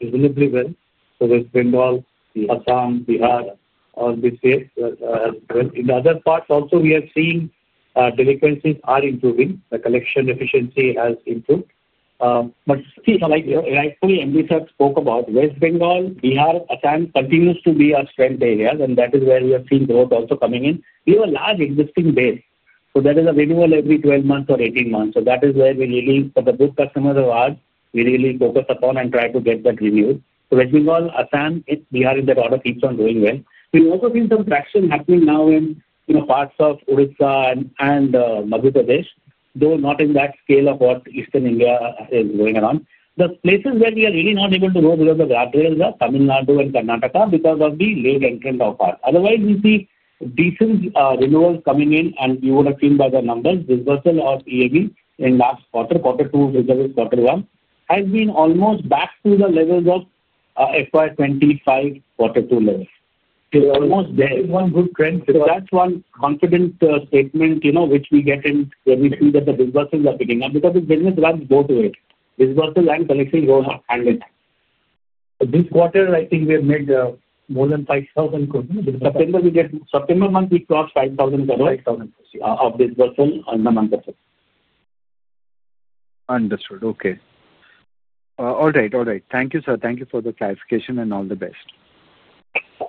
reasonably well. West Bengal, Assam, Bihar. In the other parts also we are seeing delinquencies are improving, the collection efficiency has improved. Rightfully, MV sir spoke about West Bengal. Bihar continues to be our strength area and that is where we have seen growth also coming in. We have a large existing base, so there is a renewal every 12 months or 18 months. That is where we really, for the good customers of ours, we really focus upon and try to get that renewed. West Bengal, Assam, we are in that order, keeps on doing well. We've also seen some traction happening now in parts of Odisha and Madhya Pradesh, though not in that scale of what eastern India is going around. The places where we are really not able to go because the guardrails are Tamil Nadu and Karnataka because of the late entrance of ours. Otherwise, we see decent renewals coming in and we want to clean by the numbers. Dispersal of EEB in last quarter, quarter two, visible quarter one has been almost back to the levels of FY 2025, quarter two level, one good trend. That's one confident statement, you know, which we get in when we see that the businesses are picking up because the business lands go to it. This was the land collection goes on hand in hand. This quarter I think we have made more than 5,000. In September, we get September month, we cross 5,000. Understood. Okay. All right. Thank you, sir. Thank you for the clarification and all the best. Thank you.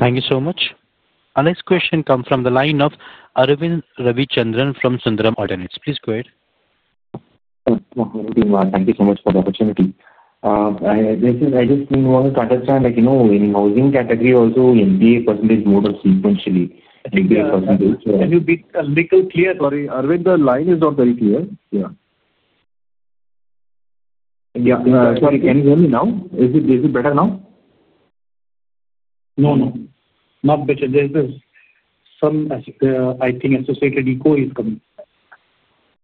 Thank you so much. Our next question comes from the line of Aravind Ravichandran from Sundaram Alternates. Please go ahead. Thank you so much for the opportunity. I just wanted to understand, in housing category also, in a percentage mode sequentially. Can you be a little clear? Sorry Arvind, the line is not very clear. Yeah, sorry. Can you hear me now? Is it better now? No, not better. I think associated echo is coming.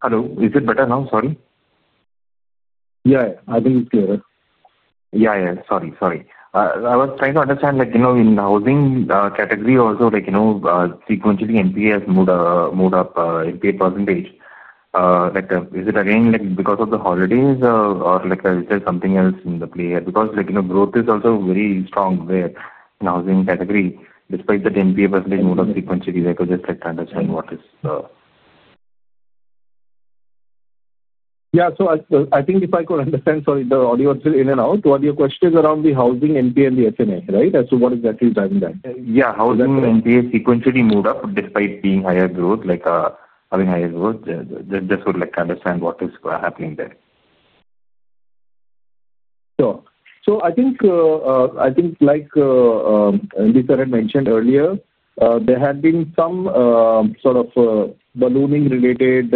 Hello? Is it better now? Sorry, yeah, I think it's clearer. Sorry. I was trying to understand that, you know, in housing category also, like, you know, sequentially NPA has moved up, NPA percentage. Is it again like because of the holidays or is there something else in the play? Because, like, you know, growth is also very strong there in housing category despite the NPA percentage move up sequentially. I would just like to understand what is. Yeah, so I think if I could understand. Sorry, the audio is in and out. What your question is around the housing NPA and the SMA, right? As to what exactly is that? Yeah, how NPA sequentially moved up despite being higher growth, like having higher growth. Just would like to understand what is happening there. I think, like mentioned earlier, there had been some sort of ballooning related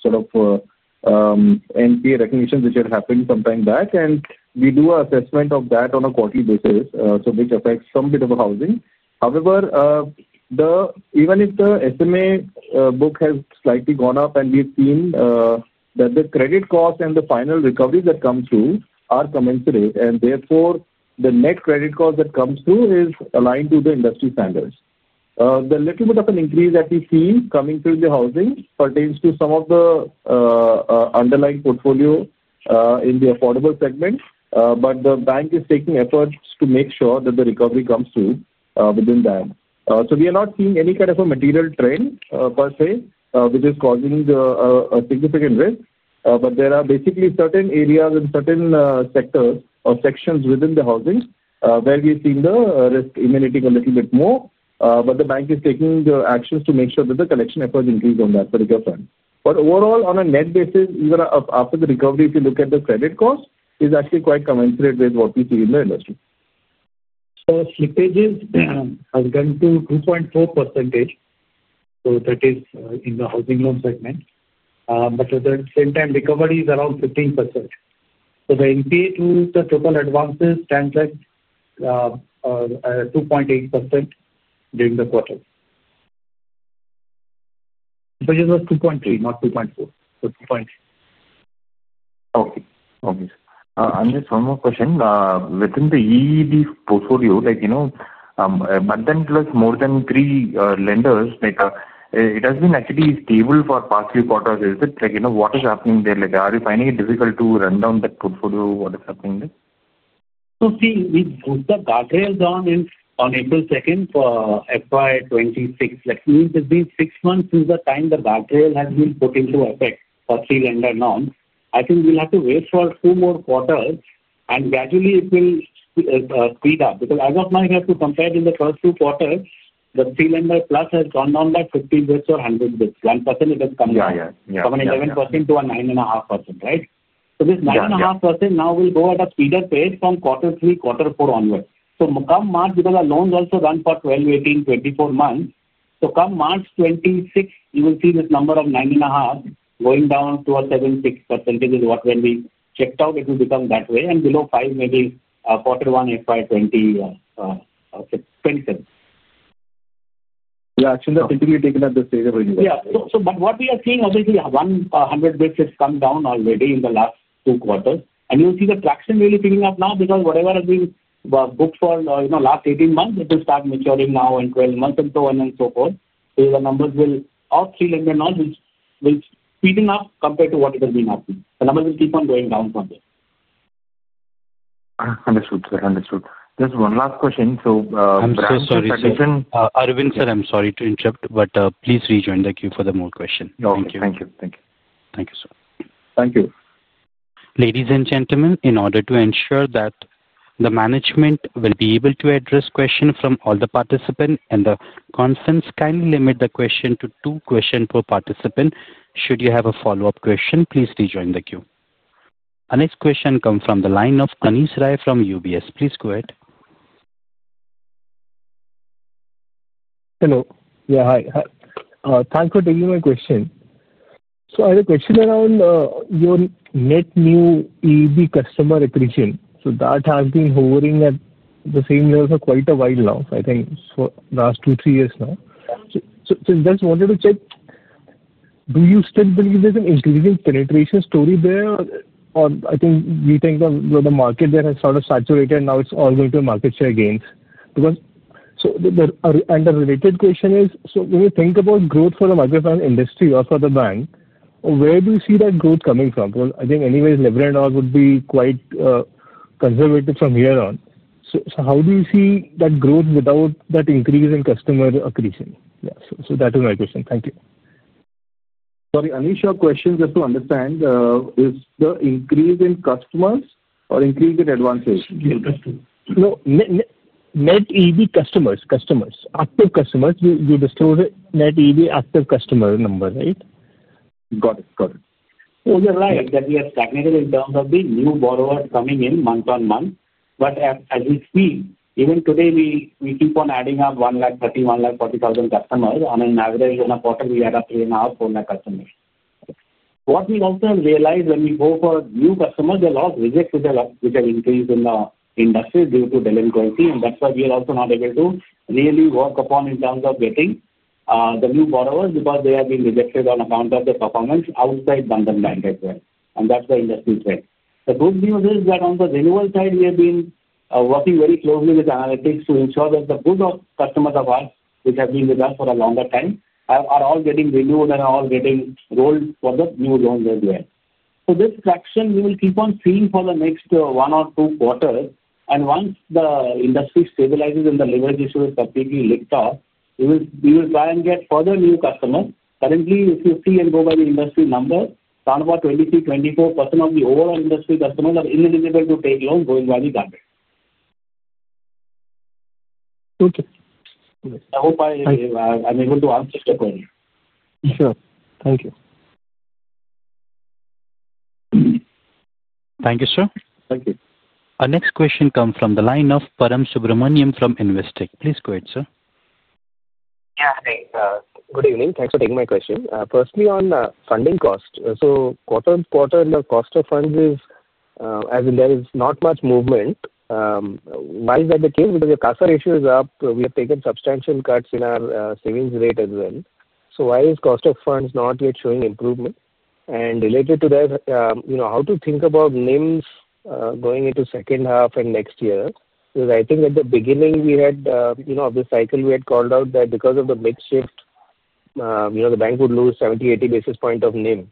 sort of NPA recognition which had happened sometime back, and we do an assessment of that on a quarterly basis, which affects some bit of housing. However, even if the SMA book has slightly gone up and we've seen that the credit cost and the final recovery that come through are commensurate, and therefore the net credit cost that comes through is aligned to the industry standards. The little bit of an increase that we see coming through the housing pertains to some of the underlying portfolio in the affordable segment. The bank is taking efforts to make sure that the recovery comes through within that. We are not seeing any kind of a material trend per se, which is causing a significant risk. There are basically certain areas in certain sectors or sections within the housing where we've seen the risk emanating a little bit more. The bank is taking actions to make sure that the collection efforts increase on that particular front. Overall, on a net basis, even after the recovery, if you look at the credit cost, it is actually quite commensurate with what we see in the industry. Slippages have gone to 2.4%. That is in the housing loan segment. At the same time, recovery is around 15%. The NPA to the total advances stands at 2.8% during the quarter. But. It was 2.3%, not 2.4%. Okay, just one more question. Within the EEB portfolio, like, you know, but then plus more than three lenders, like it has been actually stable for past few quarters. Is it like, you know, what is happening there? Are you finding it difficult to run down that portfolio? What is happening there? We put the guardrail down on April 2nd for FY 2026. That means it's been six months since the time the guardrail has been put into effect for three lender launch. I think we'll have to wait for two more quarters and gradually it will speed up because I just might have to compare in the first two quarters the three lender plus has gone down that 50 bps or 100 bps, 1%. It has come down to a 9.5%. Right. This 9.5% now will go at a speedier pace from quarter three, quarter four onwards. Come March, because our loans also run for 12, 18, 24 months. Come March 2026, you will see this number of 9.5% going down to a 7%, 6% is what when we checked out, it will become that way and below 5%, maybe quarter 1, FY 2027. Yeah. What we are seeing, obviously 100 bps has come down already in the last two quarters, and you'll see the traction really picking up now because whatever has been booked for, you know, last 18 months, it will start maturing now in 12 months and so on and so forth. The numbers will of 300 knowledge will speeding up compared to what it has been up. Keep on going down from there. Understood, sir, understood. There's one last question. Sorry, Aravind Sir, I'm sorry to interrupt, but please rejoin the queue for more questions. Thank you. Thank you. Thank you. Thank you, sir. Thank you, ladies and gentlemen. In order to ensure that the management will be able to address questions from all the participants and the constants, kindly limit the questions to two questions per participant. Should you have a follow-up question, please rejoin the queue. Our next question comes from the line of Anish Rai from UBS. Please go ahead. Hello. Yeah, hi. Thanks for taking my question. I had a question around your net new EEB customer recognition. That has been hovering at the same level for quite a while now. I think for the last two, three years now. Just wanted to check, do you still believe there's an increasing penetration story there, or do you think the market there has sort of saturated now and it's all going to market share gains? The related question is, when you think about growth for the microfinance industry or for the bank, where do you see that growth coming from? I think anyways lever and all would be quite conservative from here. How do you see that growth without that increase in customer accretion? That is my question. Thank you. Sorry, Anisha, question just to understand, is the increase in customers or increase in advances net EEB customers? Customers, active customers. You disclose it net EEB active customer number. Right, got it, got it. Oh you're right that we are stagnant in terms of the new borrower coming in month on month. As we speak, even today we keep on adding up 1 lakh, 31 lakh 40,000 customers. On an average in a quarter, we add up 3.5 lakh, 4 lakh customers. What we also realize when we go for new customers is there are a lot of visits which have increased in the industry due to delinquency, and that's why we are also not able to really work upon getting the new borrowers because they have been rejected on account of their performance outside Bandhan Bank account, and that's the industry trend. The good news is that on the renewal side, we have been working very closely with analytics to ensure that the good customers of ours which have been with us for a longer time are all getting renewed and all getting rolled for the new loans as well. This traction we will keep on seeing for the next one or two quarters. Once the industry stabilizes and the leverage issue is completely licked off, we will try and get further new customers. Currently, if you see and go by the industry number, 23%-24% of the overall industry customers are ineligible to take loan going by the government. Okay. I'm able to answer your question. Sure. Thank you. Thank you, sir. Thank you. Our next question comes from the line of Param Subramanian from Investec. Please go ahead. Good evening. Thanks for taking my question. Firstly on funding cost. Quarter on quarter, cost of funds is as in there is not much movement. Why is that the case? The CASA ratio is up. We have taken substantial cuts in our savings rate as well. Why is cost of funds not yet showing improvement? Related to that, how to think about NIMs going into the second half and next year? I think at the beginning of the cycle we had called out that because of the mix shift, the bank would lose 70, 80 basis points of NIM.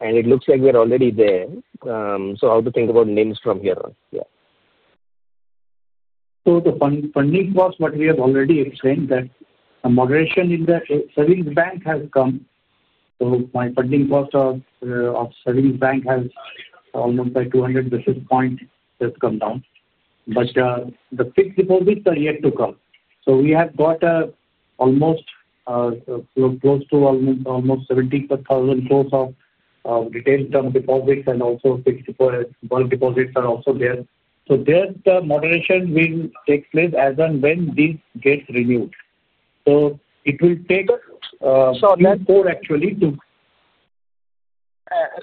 It looks like we're already there. How to think about NIMs from here on? The funding was what? We have already explained that a moderation in the savings bank has come. My funding cost of savings bank has almost by 200 basis points, that's come down. The fixed deposits are yet to come. We have got almost close to 70,000 crore of retail term deposits and also 64 deposits are also there. There the moderation will take place as and when this gets renewed. It will take actually to.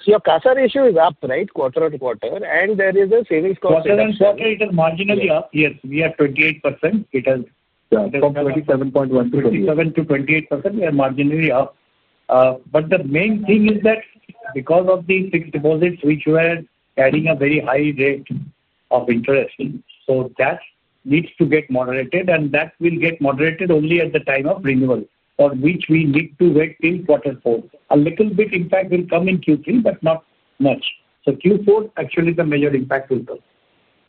Your CASA ratio is up, right? Quarter on quarter. There is a savings cost marginally up. Yes, we are 28%. It has. 27 to 28%. We are marginally up. The main thing is that because of the fixed deposits which were adding a very high rate of interest, that needs to get moderated and that will get moderated only at the time of renewal for which we need to wait till quarter four. A little bit impact will come in Q3, but not much. Q4 actually the major impact will. Come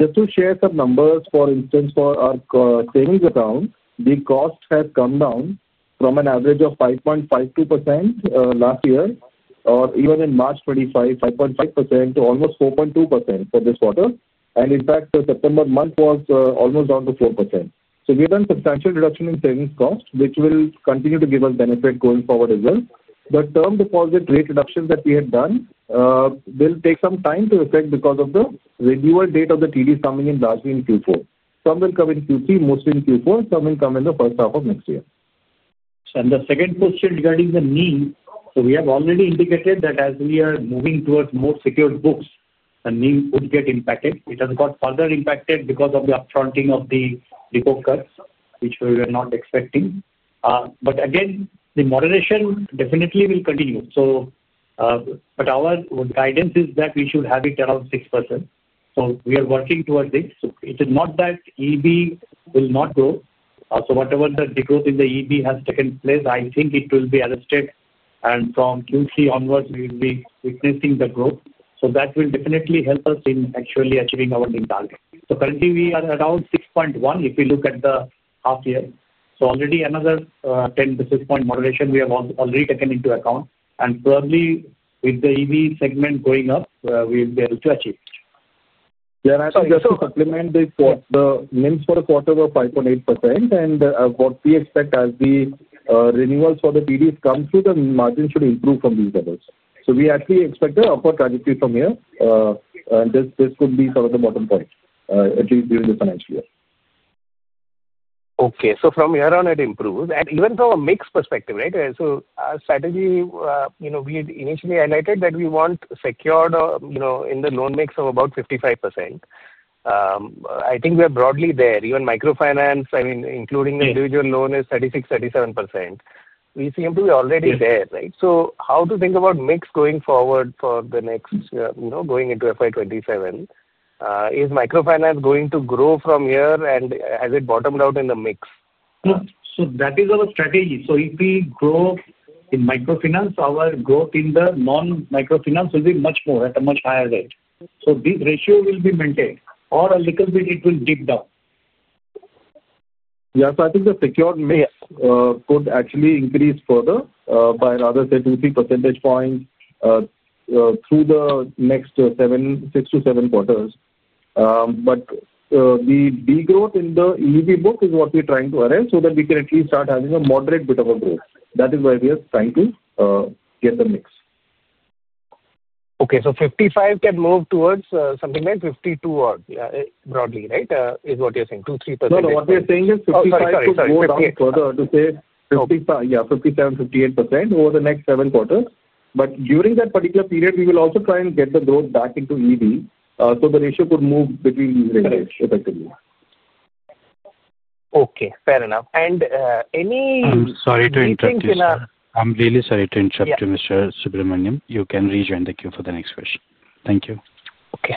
just to share some numbers. For instance, for our savings account the cost has come down from an average of 5.52% last year or even in March 2025, 5.5% to almost 4.2% for this quarter. In fact, the September month was almost down to 4%. We have done substantial reduction in savings cost which will continue to give us benefit going forward as well. The term deposit rate reduction that we have done will take some time to effect because of the renewal date of the retail term deposits coming in largely in Q4, some will come in Q3, mostly in Q4, some will come in the first half of next year. The second question regarding the NIM, we have already indicated that as we are moving towards more secured books, the NIM would get impacted. It has got further impacted because of the upfronting of the repo cuts which we were not expecting. Again, the moderation definitely will continue. Our guidance is that we should have it around 6%. We are working towards it. It is not that EEB will not grow. Whatever the growth in the EEB has taken place, I think it will be arrested and from Q3 onwards we will be witnessing the growth. That will definitely help us in actually achieving our new target. Currently we are around 6.1% if we look at the half year. Already another 10 basis point moderation we have already taken into account and probably with the EEB segment going up, we will be able to achieve. The NIMs for the quarter were 5.8%. What we expect as the renewals for the PDs come through, the margin should improve from these levels. We actually expect the upper trajectory from here. This could be sort of the bottom point, at least during the financial year. From here on it improves, and even from a mix perspective. Our strategy, you know, we initially highlighted that we want secured, you know, in the loan mix of about 55%. I think we are broadly there. Even microfinance, I mean including the individual loan, is 36%, 37%. We seem to be already there. Right, so how to think about mix going forward for the next. Going into FY 2027, is microfinance going to grow from here and has it bottomed out in the mix? That is our strategy. If we grow in microfinance, our growth in the non-microfinance will be much more at a much higher rate. This ratio will be maintained or a little bit it will dip down. Yes, I think the secured mix could actually increase further by rather 73 percentage points through the next six to seven quarters. The degrowth in the EV book is what we're trying to arrive at so that we can at least start having a moderate bit of a growth. That is why we are trying to get the mix. Okay, so 55 can move towards something like 52 odd broadly, right, is what you're saying. Two, three. No, no, what we're saying is 57, 58 over the next seven quarters. During that particular period we will also try and get the growth back into EV so the ratio could move between these effectively. Okay. Fair enough. Any. I'm sorry to interrupt you. I'm really sorry to interrupt you, Mr. Subramaniam. You can rejoin the queue for the next question. Thank you. Okay,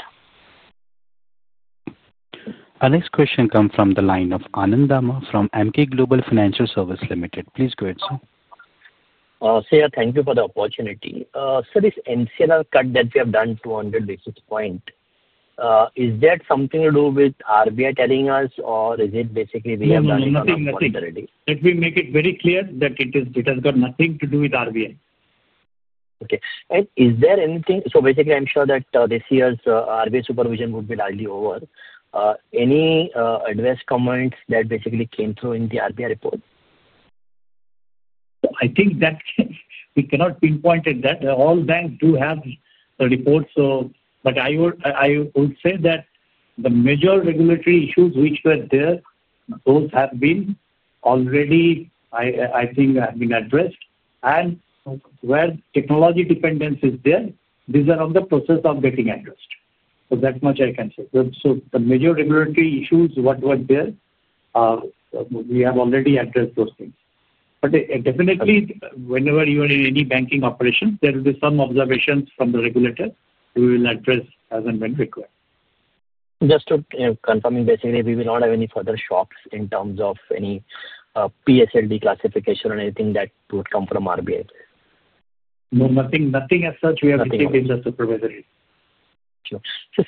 our next question comes from the line of Anand Dama from Emkay Global Financial Services Limited. Please go ahead, sir. Thank you for the opportunity. This NCLR cut that we have done, 200 basis point, is that something to do with RBI telling us or is it basically. Let me make it very clear that it is. It has got nothing to do with RBI. Okay. Is there anything? Basically, I'm sure that this year's RV supervision would be largely over, any? Address comments that basically came through in the RBI report. I think that we cannot pinpoint it that all banks do have the reports. I would say that the major regulatory issues which were there, those have been already, I think, have been addressed. Where technology dependence is there, these are in the process of getting addressed. That much I can say. The major regulatory issues that were there, we have already addressed those things. Definitely, whenever you are in any banking operations, there will be some observations from the regulator. We will address as and when required. Just to confirm, basically we will not. Have any further shocks in terms of? Any PSL classification or anything that would come from RBI. Nothing as such. We have supervisory.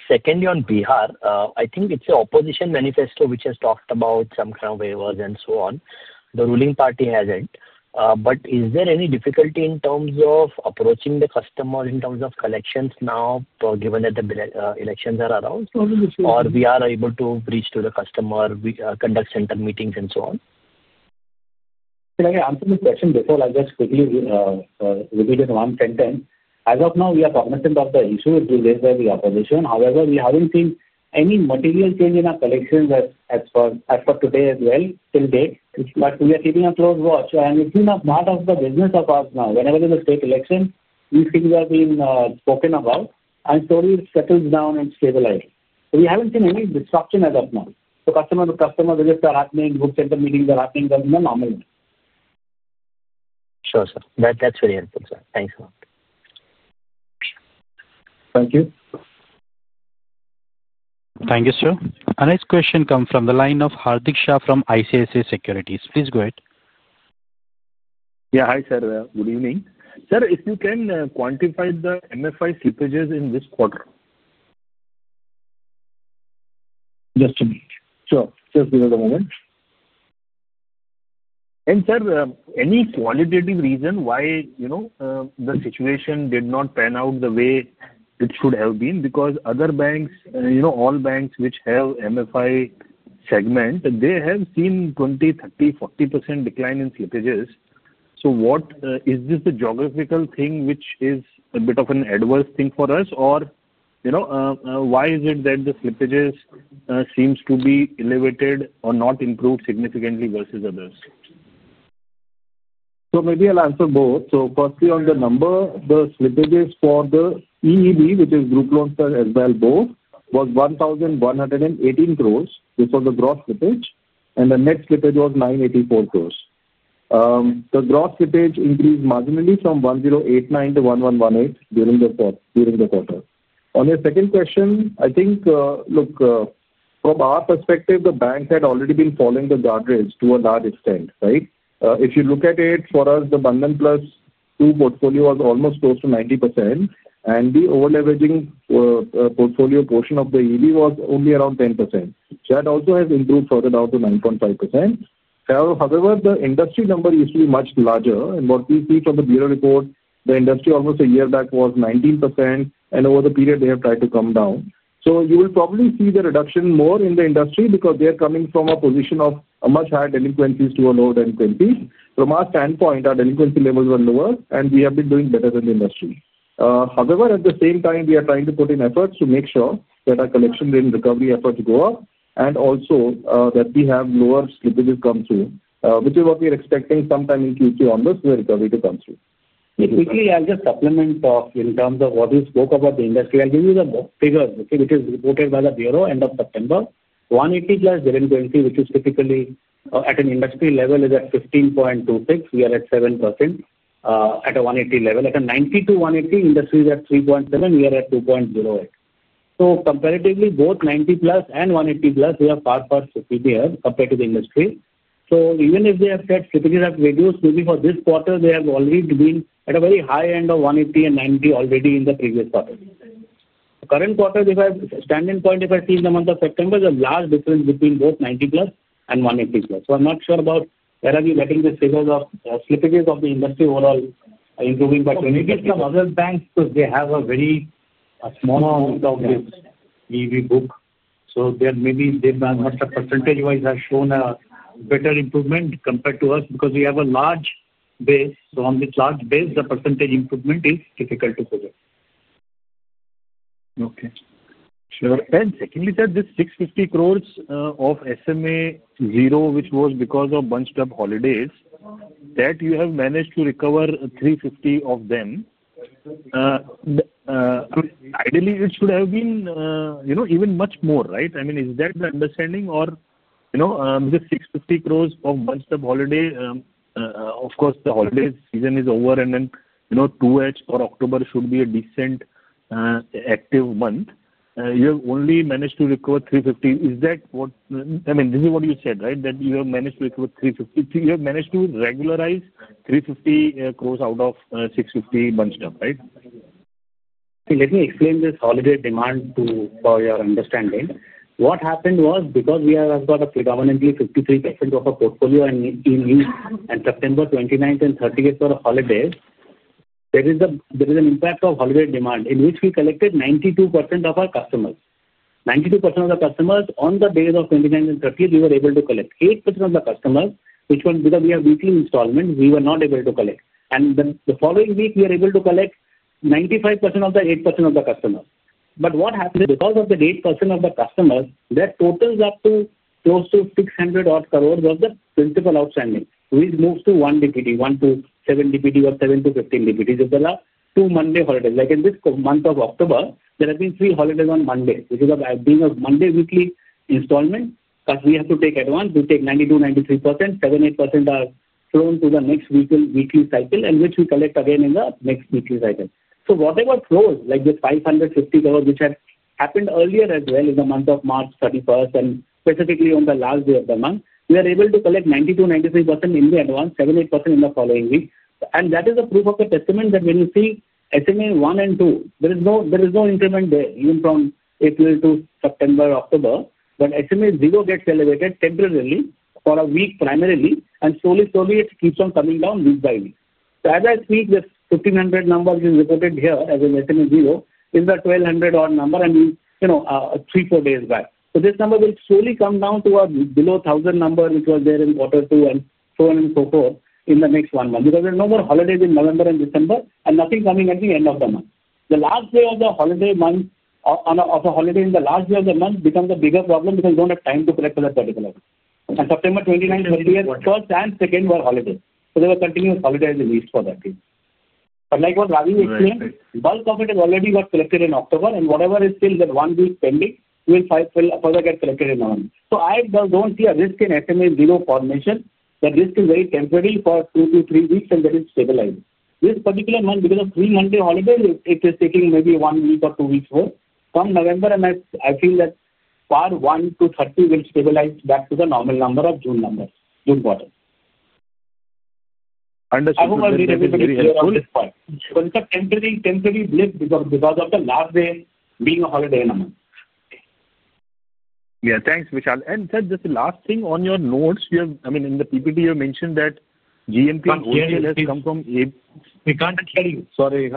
Secondly, on Bihar, I think it's the opposition manifesto which has talked about some. Kind of waivers and so on. The ruling party hasn't. Is there any difficulty in terms? Of approaching the customer in terms of. Of collections now, given that the elections are announced, we are able to reach to the customer conduct center meetings and so on. Can I answer the question? Just quickly repeat it one sentence. As of now we are cognizant of the issue opposition. However, we haven't seen any material change in our collections as for today as well till date. We are keeping a close watch and it's been a part of the business of us. Whenever there's a state election these things have been spoken about and slowly settles down and stabilizes. We haven't seen any disruption as of now. The customer visits are happening. Group center meetings are happening in a normal. Sure, sir. That's very helpful, sir. Thanks a lot. Thank you. Thank you, sir. Our next question comes from the line of Hardik Shah from ICICI Securities. Please go ahead. Yeah. Hi sir. Good evening sir. If you can quantify the MFI slippages in this quarter. Sir, any qualitative reason why you know the situation did not pan out the way it should have been because other banks, you know all banks which have MFI segment, they have seen 20%, 30%, 40% decline in slippages. What is this, the geographical thing which is a bit of an adverse thing for us or you know why. Is it that the slippages seem to. Be elevated or not improved significantly versus others. Maybe I'll answer both. Firstly, on the number, the slippages for the EEB, which is group loan, sir, as well, both was 1,118 crore. This was a gross slippage, and the net slippage was 984 crore. The gross slippage increased marginally from 1,089 - 1,118 during the quarter. On your second question, I think, look, from our perspective, the bank had already been following the guardrails to a large extent. Right? If you look at it, for us, the Bandhan Plus two portfolio was almost close to 90%, and the over-leveraging portfolio portion of the EEB was only around 10%. That also has improved further down to 9.5%. However, the industry number used to be much larger, and what we see from the bureau report, the industry almost a year back was 19%, and over the period, they have tried to come down. You will probably see the reduction more in the industry because they are coming from a position of much higher delinquencies to a lower than 20%. From our standpoint, our delinquency levels are lower, and we have been doing better than the industry. However, at the same time, we are trying to put in efforts to make sure that our collection recovery efforts go up and also that we have lower slippages come through, which is what we are expecting sometime in Q2 on the slow recovery to come through quickly. I will just supplement in terms of what you spoke about the industry. I'll give you the figures which are reported by the bureau end of September. 180+ which is typically at an industry level is at 15.26%. We are at 7% at a 180 level. At a 90 - 180, industry is at 3.7%. We are at 2.08%. Comparatively, both 90+ and 180+ are far for years compared to the industry. Even if they have said stiffenies have reduced, maybe for this quarter they have already been at a very high end of 180 and 90 already in the previous quarter, current quarter standing point. If I see in the month of September, the large difference between both 90+ and 180+. I'm not sure about where are we letting the figures of slippages of the industry overall improving. When you get some other banks, they have a very small amount of this EV book. There may be percentage wise has shown a better improvement compared to us because we have a large base. On this large base, the percentage improvement is difficult to predict. Okay, sure. Secondly, this 650 crore of SMA 0, which was because of bunched up holidays, you have managed to recover 350 crore of them. Ideally, it should have been, you know, even much more, right? I mean, is that the understanding? You know the 650 crore of months of holiday. Of course, the holiday season is over, and then, you know, 2H for October should be a decent active month. You have only managed to recover 350 crore. Is that what I mean? This is what you said, right? That you have managed to recover 350 crore. You have managed to regularize 350 crore out of 650 crore bunched up, right? Let me explain this holiday demand for your understanding. What happened was because we have got a predominantly 53% of our portfolio and in use and September 29 and 30 were holidays. There is an impact of holiday demand in which we collected 92% of our customers, 92% of the customers. On the days of 2019 30s we were able to collect 8% of the customers which because we have weekly installment we were not able to collect. The following week we are able to collect 95% of the 8% of the customers. What happened is because of the 8% of the customers that totals up to close to 600 crore was the principal outstanding. We move to 1 DPD 1 to 7 DPD or 7 DPD to 15 DPD, two Monday holidays like in this month of October. There have been three holidays on Monday which is about being a Monday weekly installment. Because we have to take advance, we take 90% - 93%. 7, 8% are flown to the next weekend weekly cycle and which we collect again in the next weekly cycle. Whatever flows like this 550 which had happened earlier as well in the month of March 31st and specifically on the last day of the month we are able to collect 92%, 93% in the advance 7, 8% in the following week. That is a proof of a testament that when you see SMA 1 and 2 there is no increment there even from April to September October but SMA 0 gets elevated temporarily for a week primarily and slowly, slowly it keeps on coming down week by week. As I speak this 1,500 number is reported here as a less than a zero in the 1,200 odd number and we, you know, three, four days back. This number will slowly come down to a below thousand number which was there in quarter two and so on and so forth in the next one month because there are no more holidays in November and December and nothing coming at the end of the month. The last day of the holiday month of the holiday in the last year of the month becomes a bigger problem because we don't have time to collect for that particular on September 29 and 2 were holidays so there were continuous holidays released for that reason. Like what Ravi explained, bulk of it has already got collected in October and whatever is still that one week pending will further get collected in. I don't see a risk in SMA 0 formation. This is very temporary for two to three weeks and then it's stabilized this particular month because of three monthly holidays. It is taking maybe one week or two weeks more. Come November, I feel that part one to 30 will stabilize back to the normal number of June numbers. Temporary blip because of the last day being a holiday. Yeah, thanks Vishal. Just the last thing on your notes, in the PPT you mentioned that GMP. We can't. Sorry.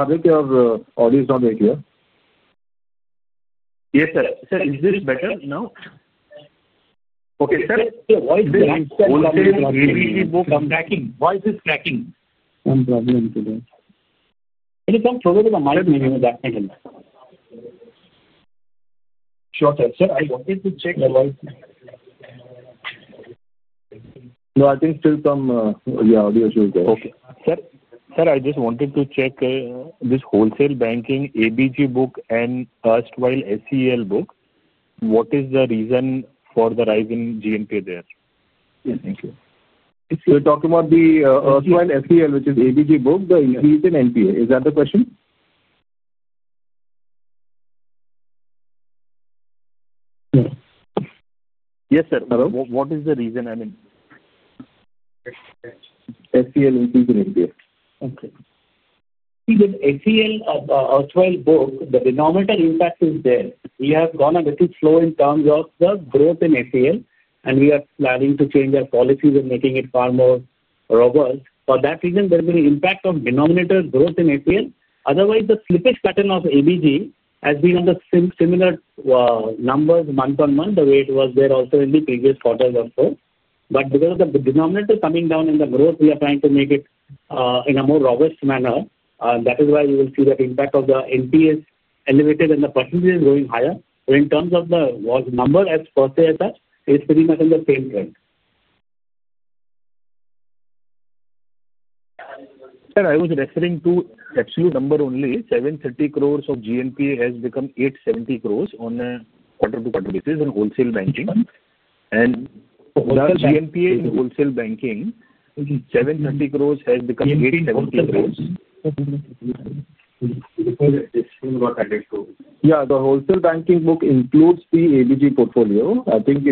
Yes, sir. Is this better now? Okay. Why is this cracking? No, I think still some, Sir. Just wanted to check this wholesale banking. ABG book and erstwhile SEL book, what is the reason for the rise in GNPA there? Okay, if you're talking about the SEL which is ABG book, the increase in NPA, is that the question? Yes sir. What is the reason? I mean self. Book. The denominator impact is there. We have gone a little slow in terms of the growth in self and we are planning to change our policies in making it far more robust. For that reason, there's been an impact of denominator growth in APL. Otherwise, the slippage pattern of ABG has been on the same similar numbers month on month the way it was there also in the previous quarters or so. Because of the denominator coming down in the growth, we are trying to make it in a more robust manner. That is why you will see that impact of the NPS elevated in the % is going higher. In terms of the number as per se, as such, it's pretty much in the same trend. I was referring to absolute number only. 730 crore of GNPA has become 870 crore on a quarter-to-quarter basis in wholesale banking, and GNPA in wholesale banking, INR 750 crore has become INR 18. Yeah. The wholesale banking book includes the ABG portfolio. I think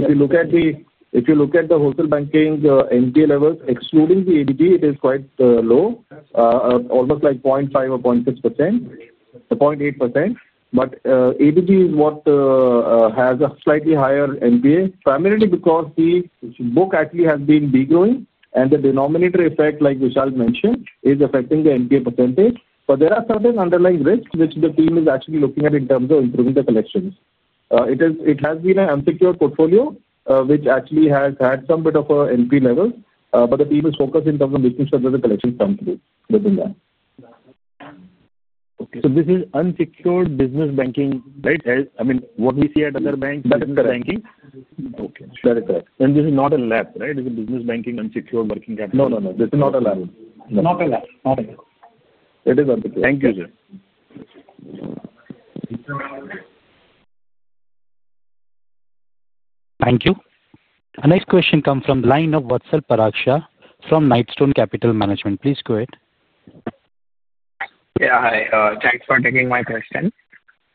if you look at the wholesale banking NPA levels excluding the ABG, it is quite low, almost like 0.5% or 0.6%, 0.8%. ADP is what has a slightly higher NPA primarily because the book actually has been degrowing and the denominator effect, like Vishal mentioned, is affecting the NPA percentage. There are certain underlying risks which the team is actually looking at in terms of improving the collections. It has been an unsecured portfolio which actually has had some bit of an NPA level. The team is focused in terms of making sure that the collections come through. This is unsecured business banking, right? I mean what we see at other banks. Okay. This is not a lab, right? Is it business banking, unsecured working capital? No, no, no. This is not allowed. Thank you. Thank you. Next question comes from the line of Watser Paraksha from Knightstone Capital Management. Please go ahead. Yeah, hi. Thanks for taking my question.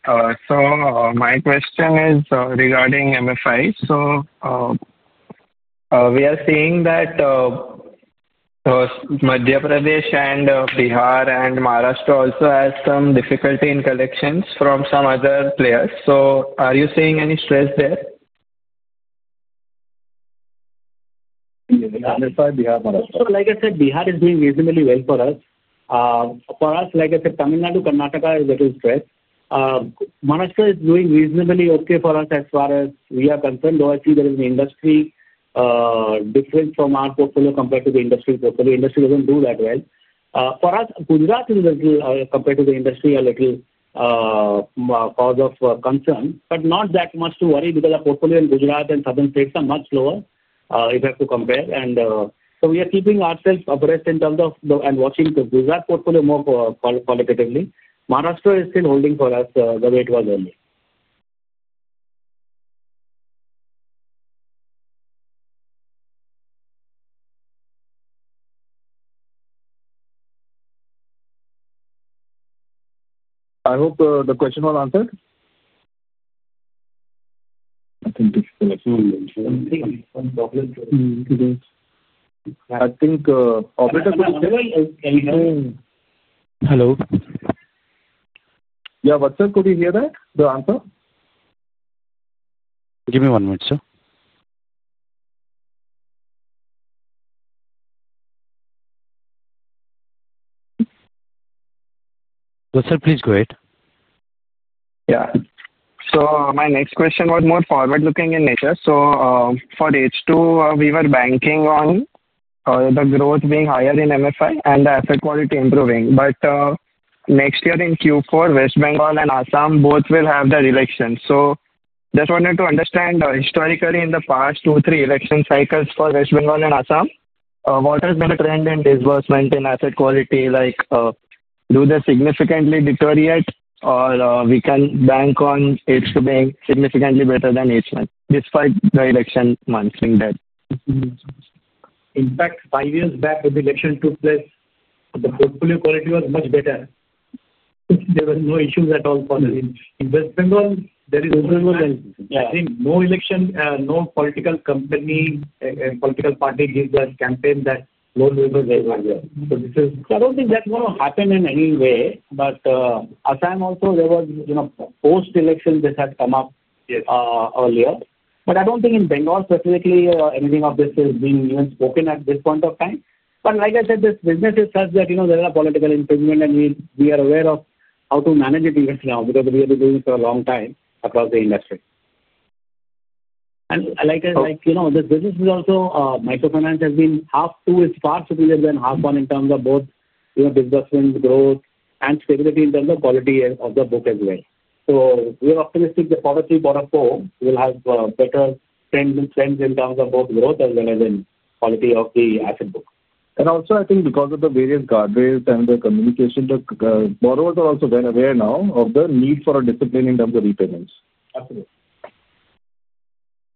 My question is regarding MFI. We are seeing that Madhya Pradesh, Bihar, and Maharashtra also have some difficulty in collections from some other players. Are you seeing any stress there? Like I said, Bihar is doing. Reasonably well for us. For us, like I said, coming down to Karnataka is a little stress. Manashkar is doing reasonably okay for us. As far as we are concerned, though, I see there is an industry different from our portfolio compared to the industry portfolio. Industry doesn't do that well for us. Gujarat is, compared to the industry, a little cause of concern. Not that much to worry because our portfolio in Gujarat and southern states are much lower if you have to compare. We are keeping ourselves abreast in terms of and watching the Bihar portfolio more qualitatively. Maharashtra is still holding for us. Way it was only. I hope the question was answered. I think. Hello. Yeah, what? Sir, could you hear that? The answer. Give me one minute, sir. Please go ahead. Yeah. My next question was more forward looking in nature. For H2 we were banking on the growth being higher in MFI and the asset quality improving. Next year in Q4, West Bengal and Assam both will have the election. I just wanted to understand historically in the past two, three election cycles for West Bengal and Assam what has been a trend in disbursement in asset quality. Do they significantly deteriorate or can we bank on H2 being significantly better than H1 despite the election monster in. In fact, 5 years back when the election took place, the portfolio quality was much better. There were no issues at all. In West Bengal there is no election, no political company and no political party gives us campaign that. I don't think that will happen in any way. Assam also, there was, you know, post election that had come up earlier. I don't think in Bengal specifically anything of this is being even spoken at this point of time. Like I said, this business is such that there is a political imprisonment and we are aware of how to manage it even now because we have been doing it for a long time across the industry. Like you know, this business is also microfinance has been half two is far superior than half one in terms of both disbursement growth and stability in terms of quality of the book as well. We are optimistic that Product three, Product four will have better trends and trends in terms of both growth as well as in quality of the asset book. I think because of the various guardrails and the communication, the borrowers are also well aware now of the need for a discipline in terms of repayments.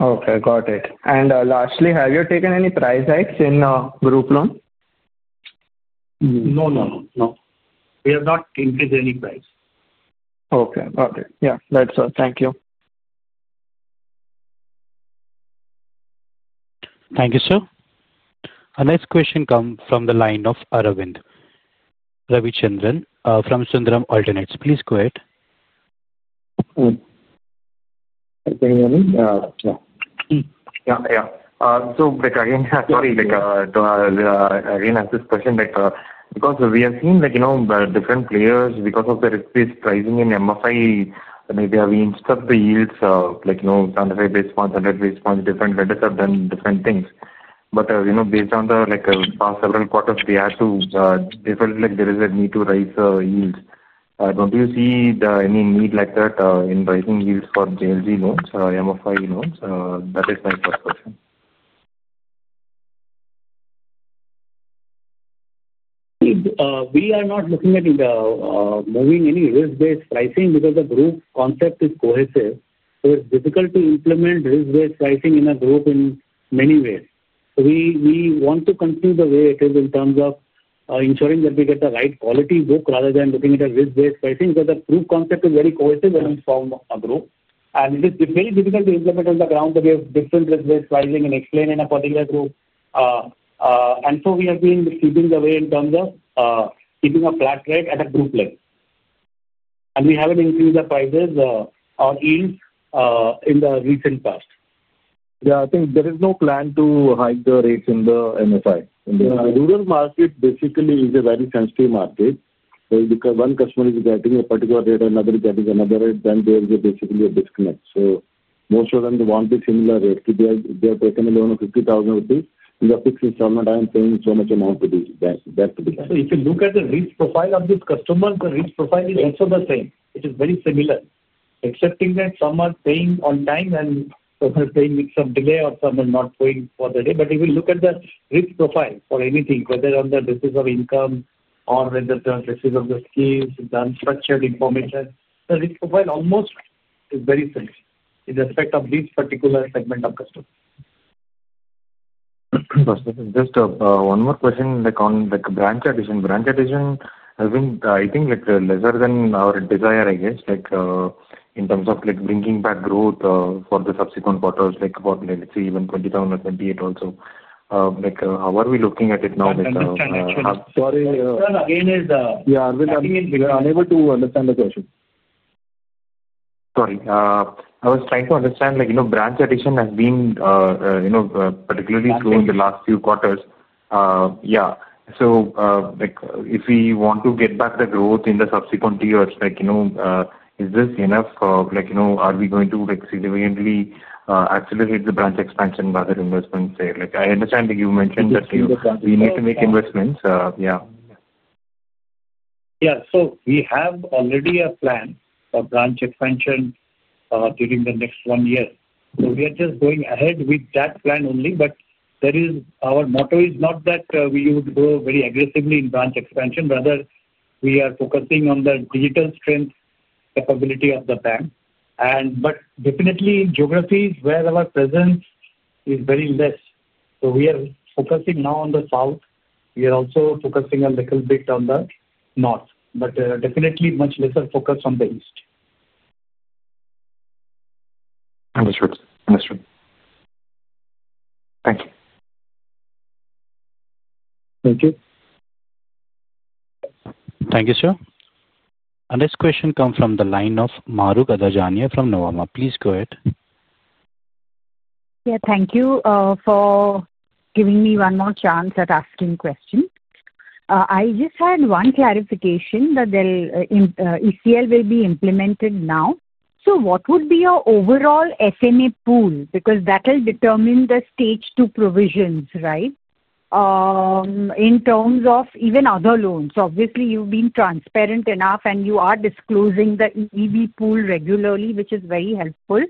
Okay, got it. Lastly, have you taken any price hikes in group loan? No, no, no, we have not increased any price. Okay, okay. Yeah, that's all. Thank you. Thank you, sir. Next question comes from the line of Aravind Ravichandran from Sundaram Alternates. Please go ahead. Because we have seen, like, you know, different players because of the ripped pricing in MFI. Maybe have we instruct the yields, like, you know, different lenders have done different things. Based on the past several quarters, they felt like there is a need to raise yields. Don't you see any need like that in rising yields for JLG loans, MFI loans? That is my first question. We are not looking at moving any risk-based pricing because the group concept is cohesive. It's difficult to implement risk-based pricing in a group in many ways. We want to conclude the way it is in terms of ensuring that we get the right quality book rather than looking at a risk-based pricing. The proof concept is very cohesive and informed group, and it is very difficult to implement on the ground that we have different risk-based pricing and explain in a particular group. We have been skipping the way in terms of keeping a flat rate at a group level, and we haven't increased the prices or yield in the recent past. Yeah, I think there is no plan to hike the rates in the MFI. Rural market basically is a very sensitive market because one customer is getting a particular rate, another that is another rate, then there's basically a disconnect, so most of them want the similar rate. They have taken a loan of 50,000 rupees in the fixed installment. I am paying so much amount to be debt to be. If you look at the risk profile of this customer, the risk profile is also the same. It is very similar, excepting that some are paying on time and paying with some delay or someone not going for the day. If you look at the risk profile for anything, whether on the basis of income or whether the basis of the schemes, unstructured information, the risk profile almost is very similar in respect of this particular segment of customer. Just one more question on the branch addition. Branch addition, I think, is lesser than our desire in terms of bringing back growth for the subsequent quarters, like about, let's see, even 20,000 or 28 also. How are we looking at it now? We are unable to understand the question. Sorry, I was trying to understand, branch addition has been particularly slow in the last few quarters. If we want to get back the growth in the subsequent years, is this enough? Are we going to significantly accelerate the branch expansion, rather investment? I understand that you mentioned that we need to make investments. Yeah, yeah. We already have a plan for branch expansion during the next one year. We are just going ahead with that plan only, but our motto is not that we would go very aggressively in branch expansion. Rather, we are focusing on the digital strength capability of the bank, but definitely in geographies where our presence is very less. We are focusing now on the south. We are also focusing a little bit on the north, but definitely much. Lesser focus on the east. Understood, understood. Thank you. Thank you. Thank you, sir. This question comes from the line of Mahrukh Adajania from Nuvama. Please go ahead. Thank you for giving me one more chance at asking a question. I just had one clarification that ECL will be implemented now, so what would be your overall SMA pool? Because that will determine the stage two provisions, right? In terms of even other loans, obviously you've been transparent enough and you are disclosing the EEB pool regularly, which is very helpful.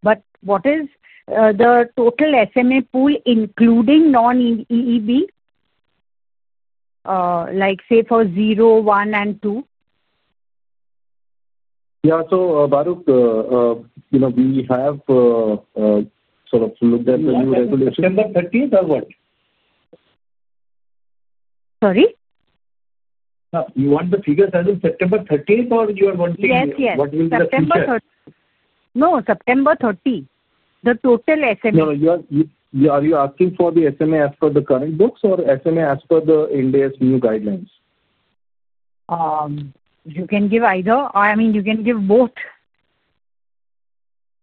What is the total SMA pool including non-EEB, like say for 0, 1, and 2? Yeah. Baru, you know we have sort of looked at the new regulation. Sorry, you want the figures as of September 30 or you are one. Yes, yes. No, September 30, the total SMA. Are you asking for the SMA as per the current books or SMA as per India's new guidelines? You can give either. I mean you can give both.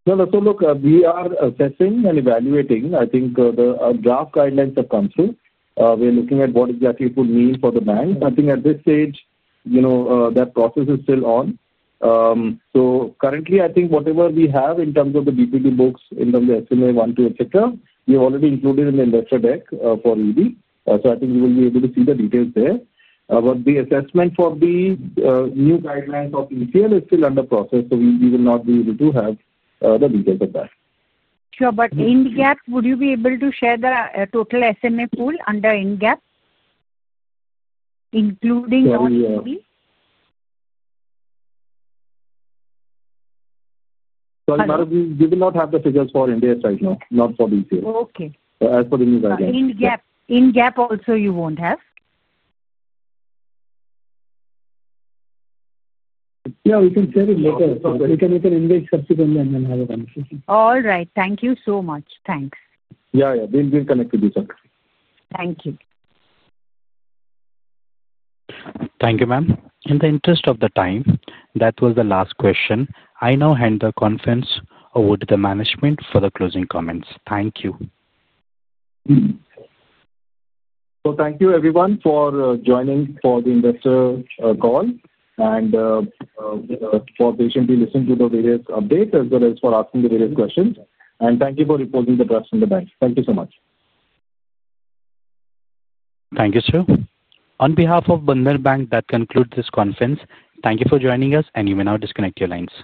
Look, we are assessing and evaluating. I think the draft guidelines have come through. We're looking at what exactly it would mean for the bank. At this stage, that process is still on. Currently, whatever we have in terms of the BPD books, in terms of SMA 1, 2, etc., we've already included in the investor deck for EB. You will be able to see the details there. The assessment for the new guidelines of ECL is still under process. We will not be able to have the details of that. Sure. In GAAP, would you be able to share the total SMA pool under GAAP including? We will not have the figures for India side now, not for the ECA. Okay. In gap also you won't have. Yeah, we can share it later. All right, thank you so much. Thanks. Yeah, yeah, we'll be connected. Thank you. Thank you. Ma'am. Am. In the interest of time, that was the last question. I now hand the conference over to the management for the closing comments. Thank you. Thank you everyone for joining for the investor call and for patiently listening to the various updates as well as for asking the various questions. Thank you for reporting the trust in the bank. Thank you so much. Thank you, sir. On behalf of Bandhan Bank, that concludes this conference. Thank you for joining us and you may now disconnect your lines. Thank you.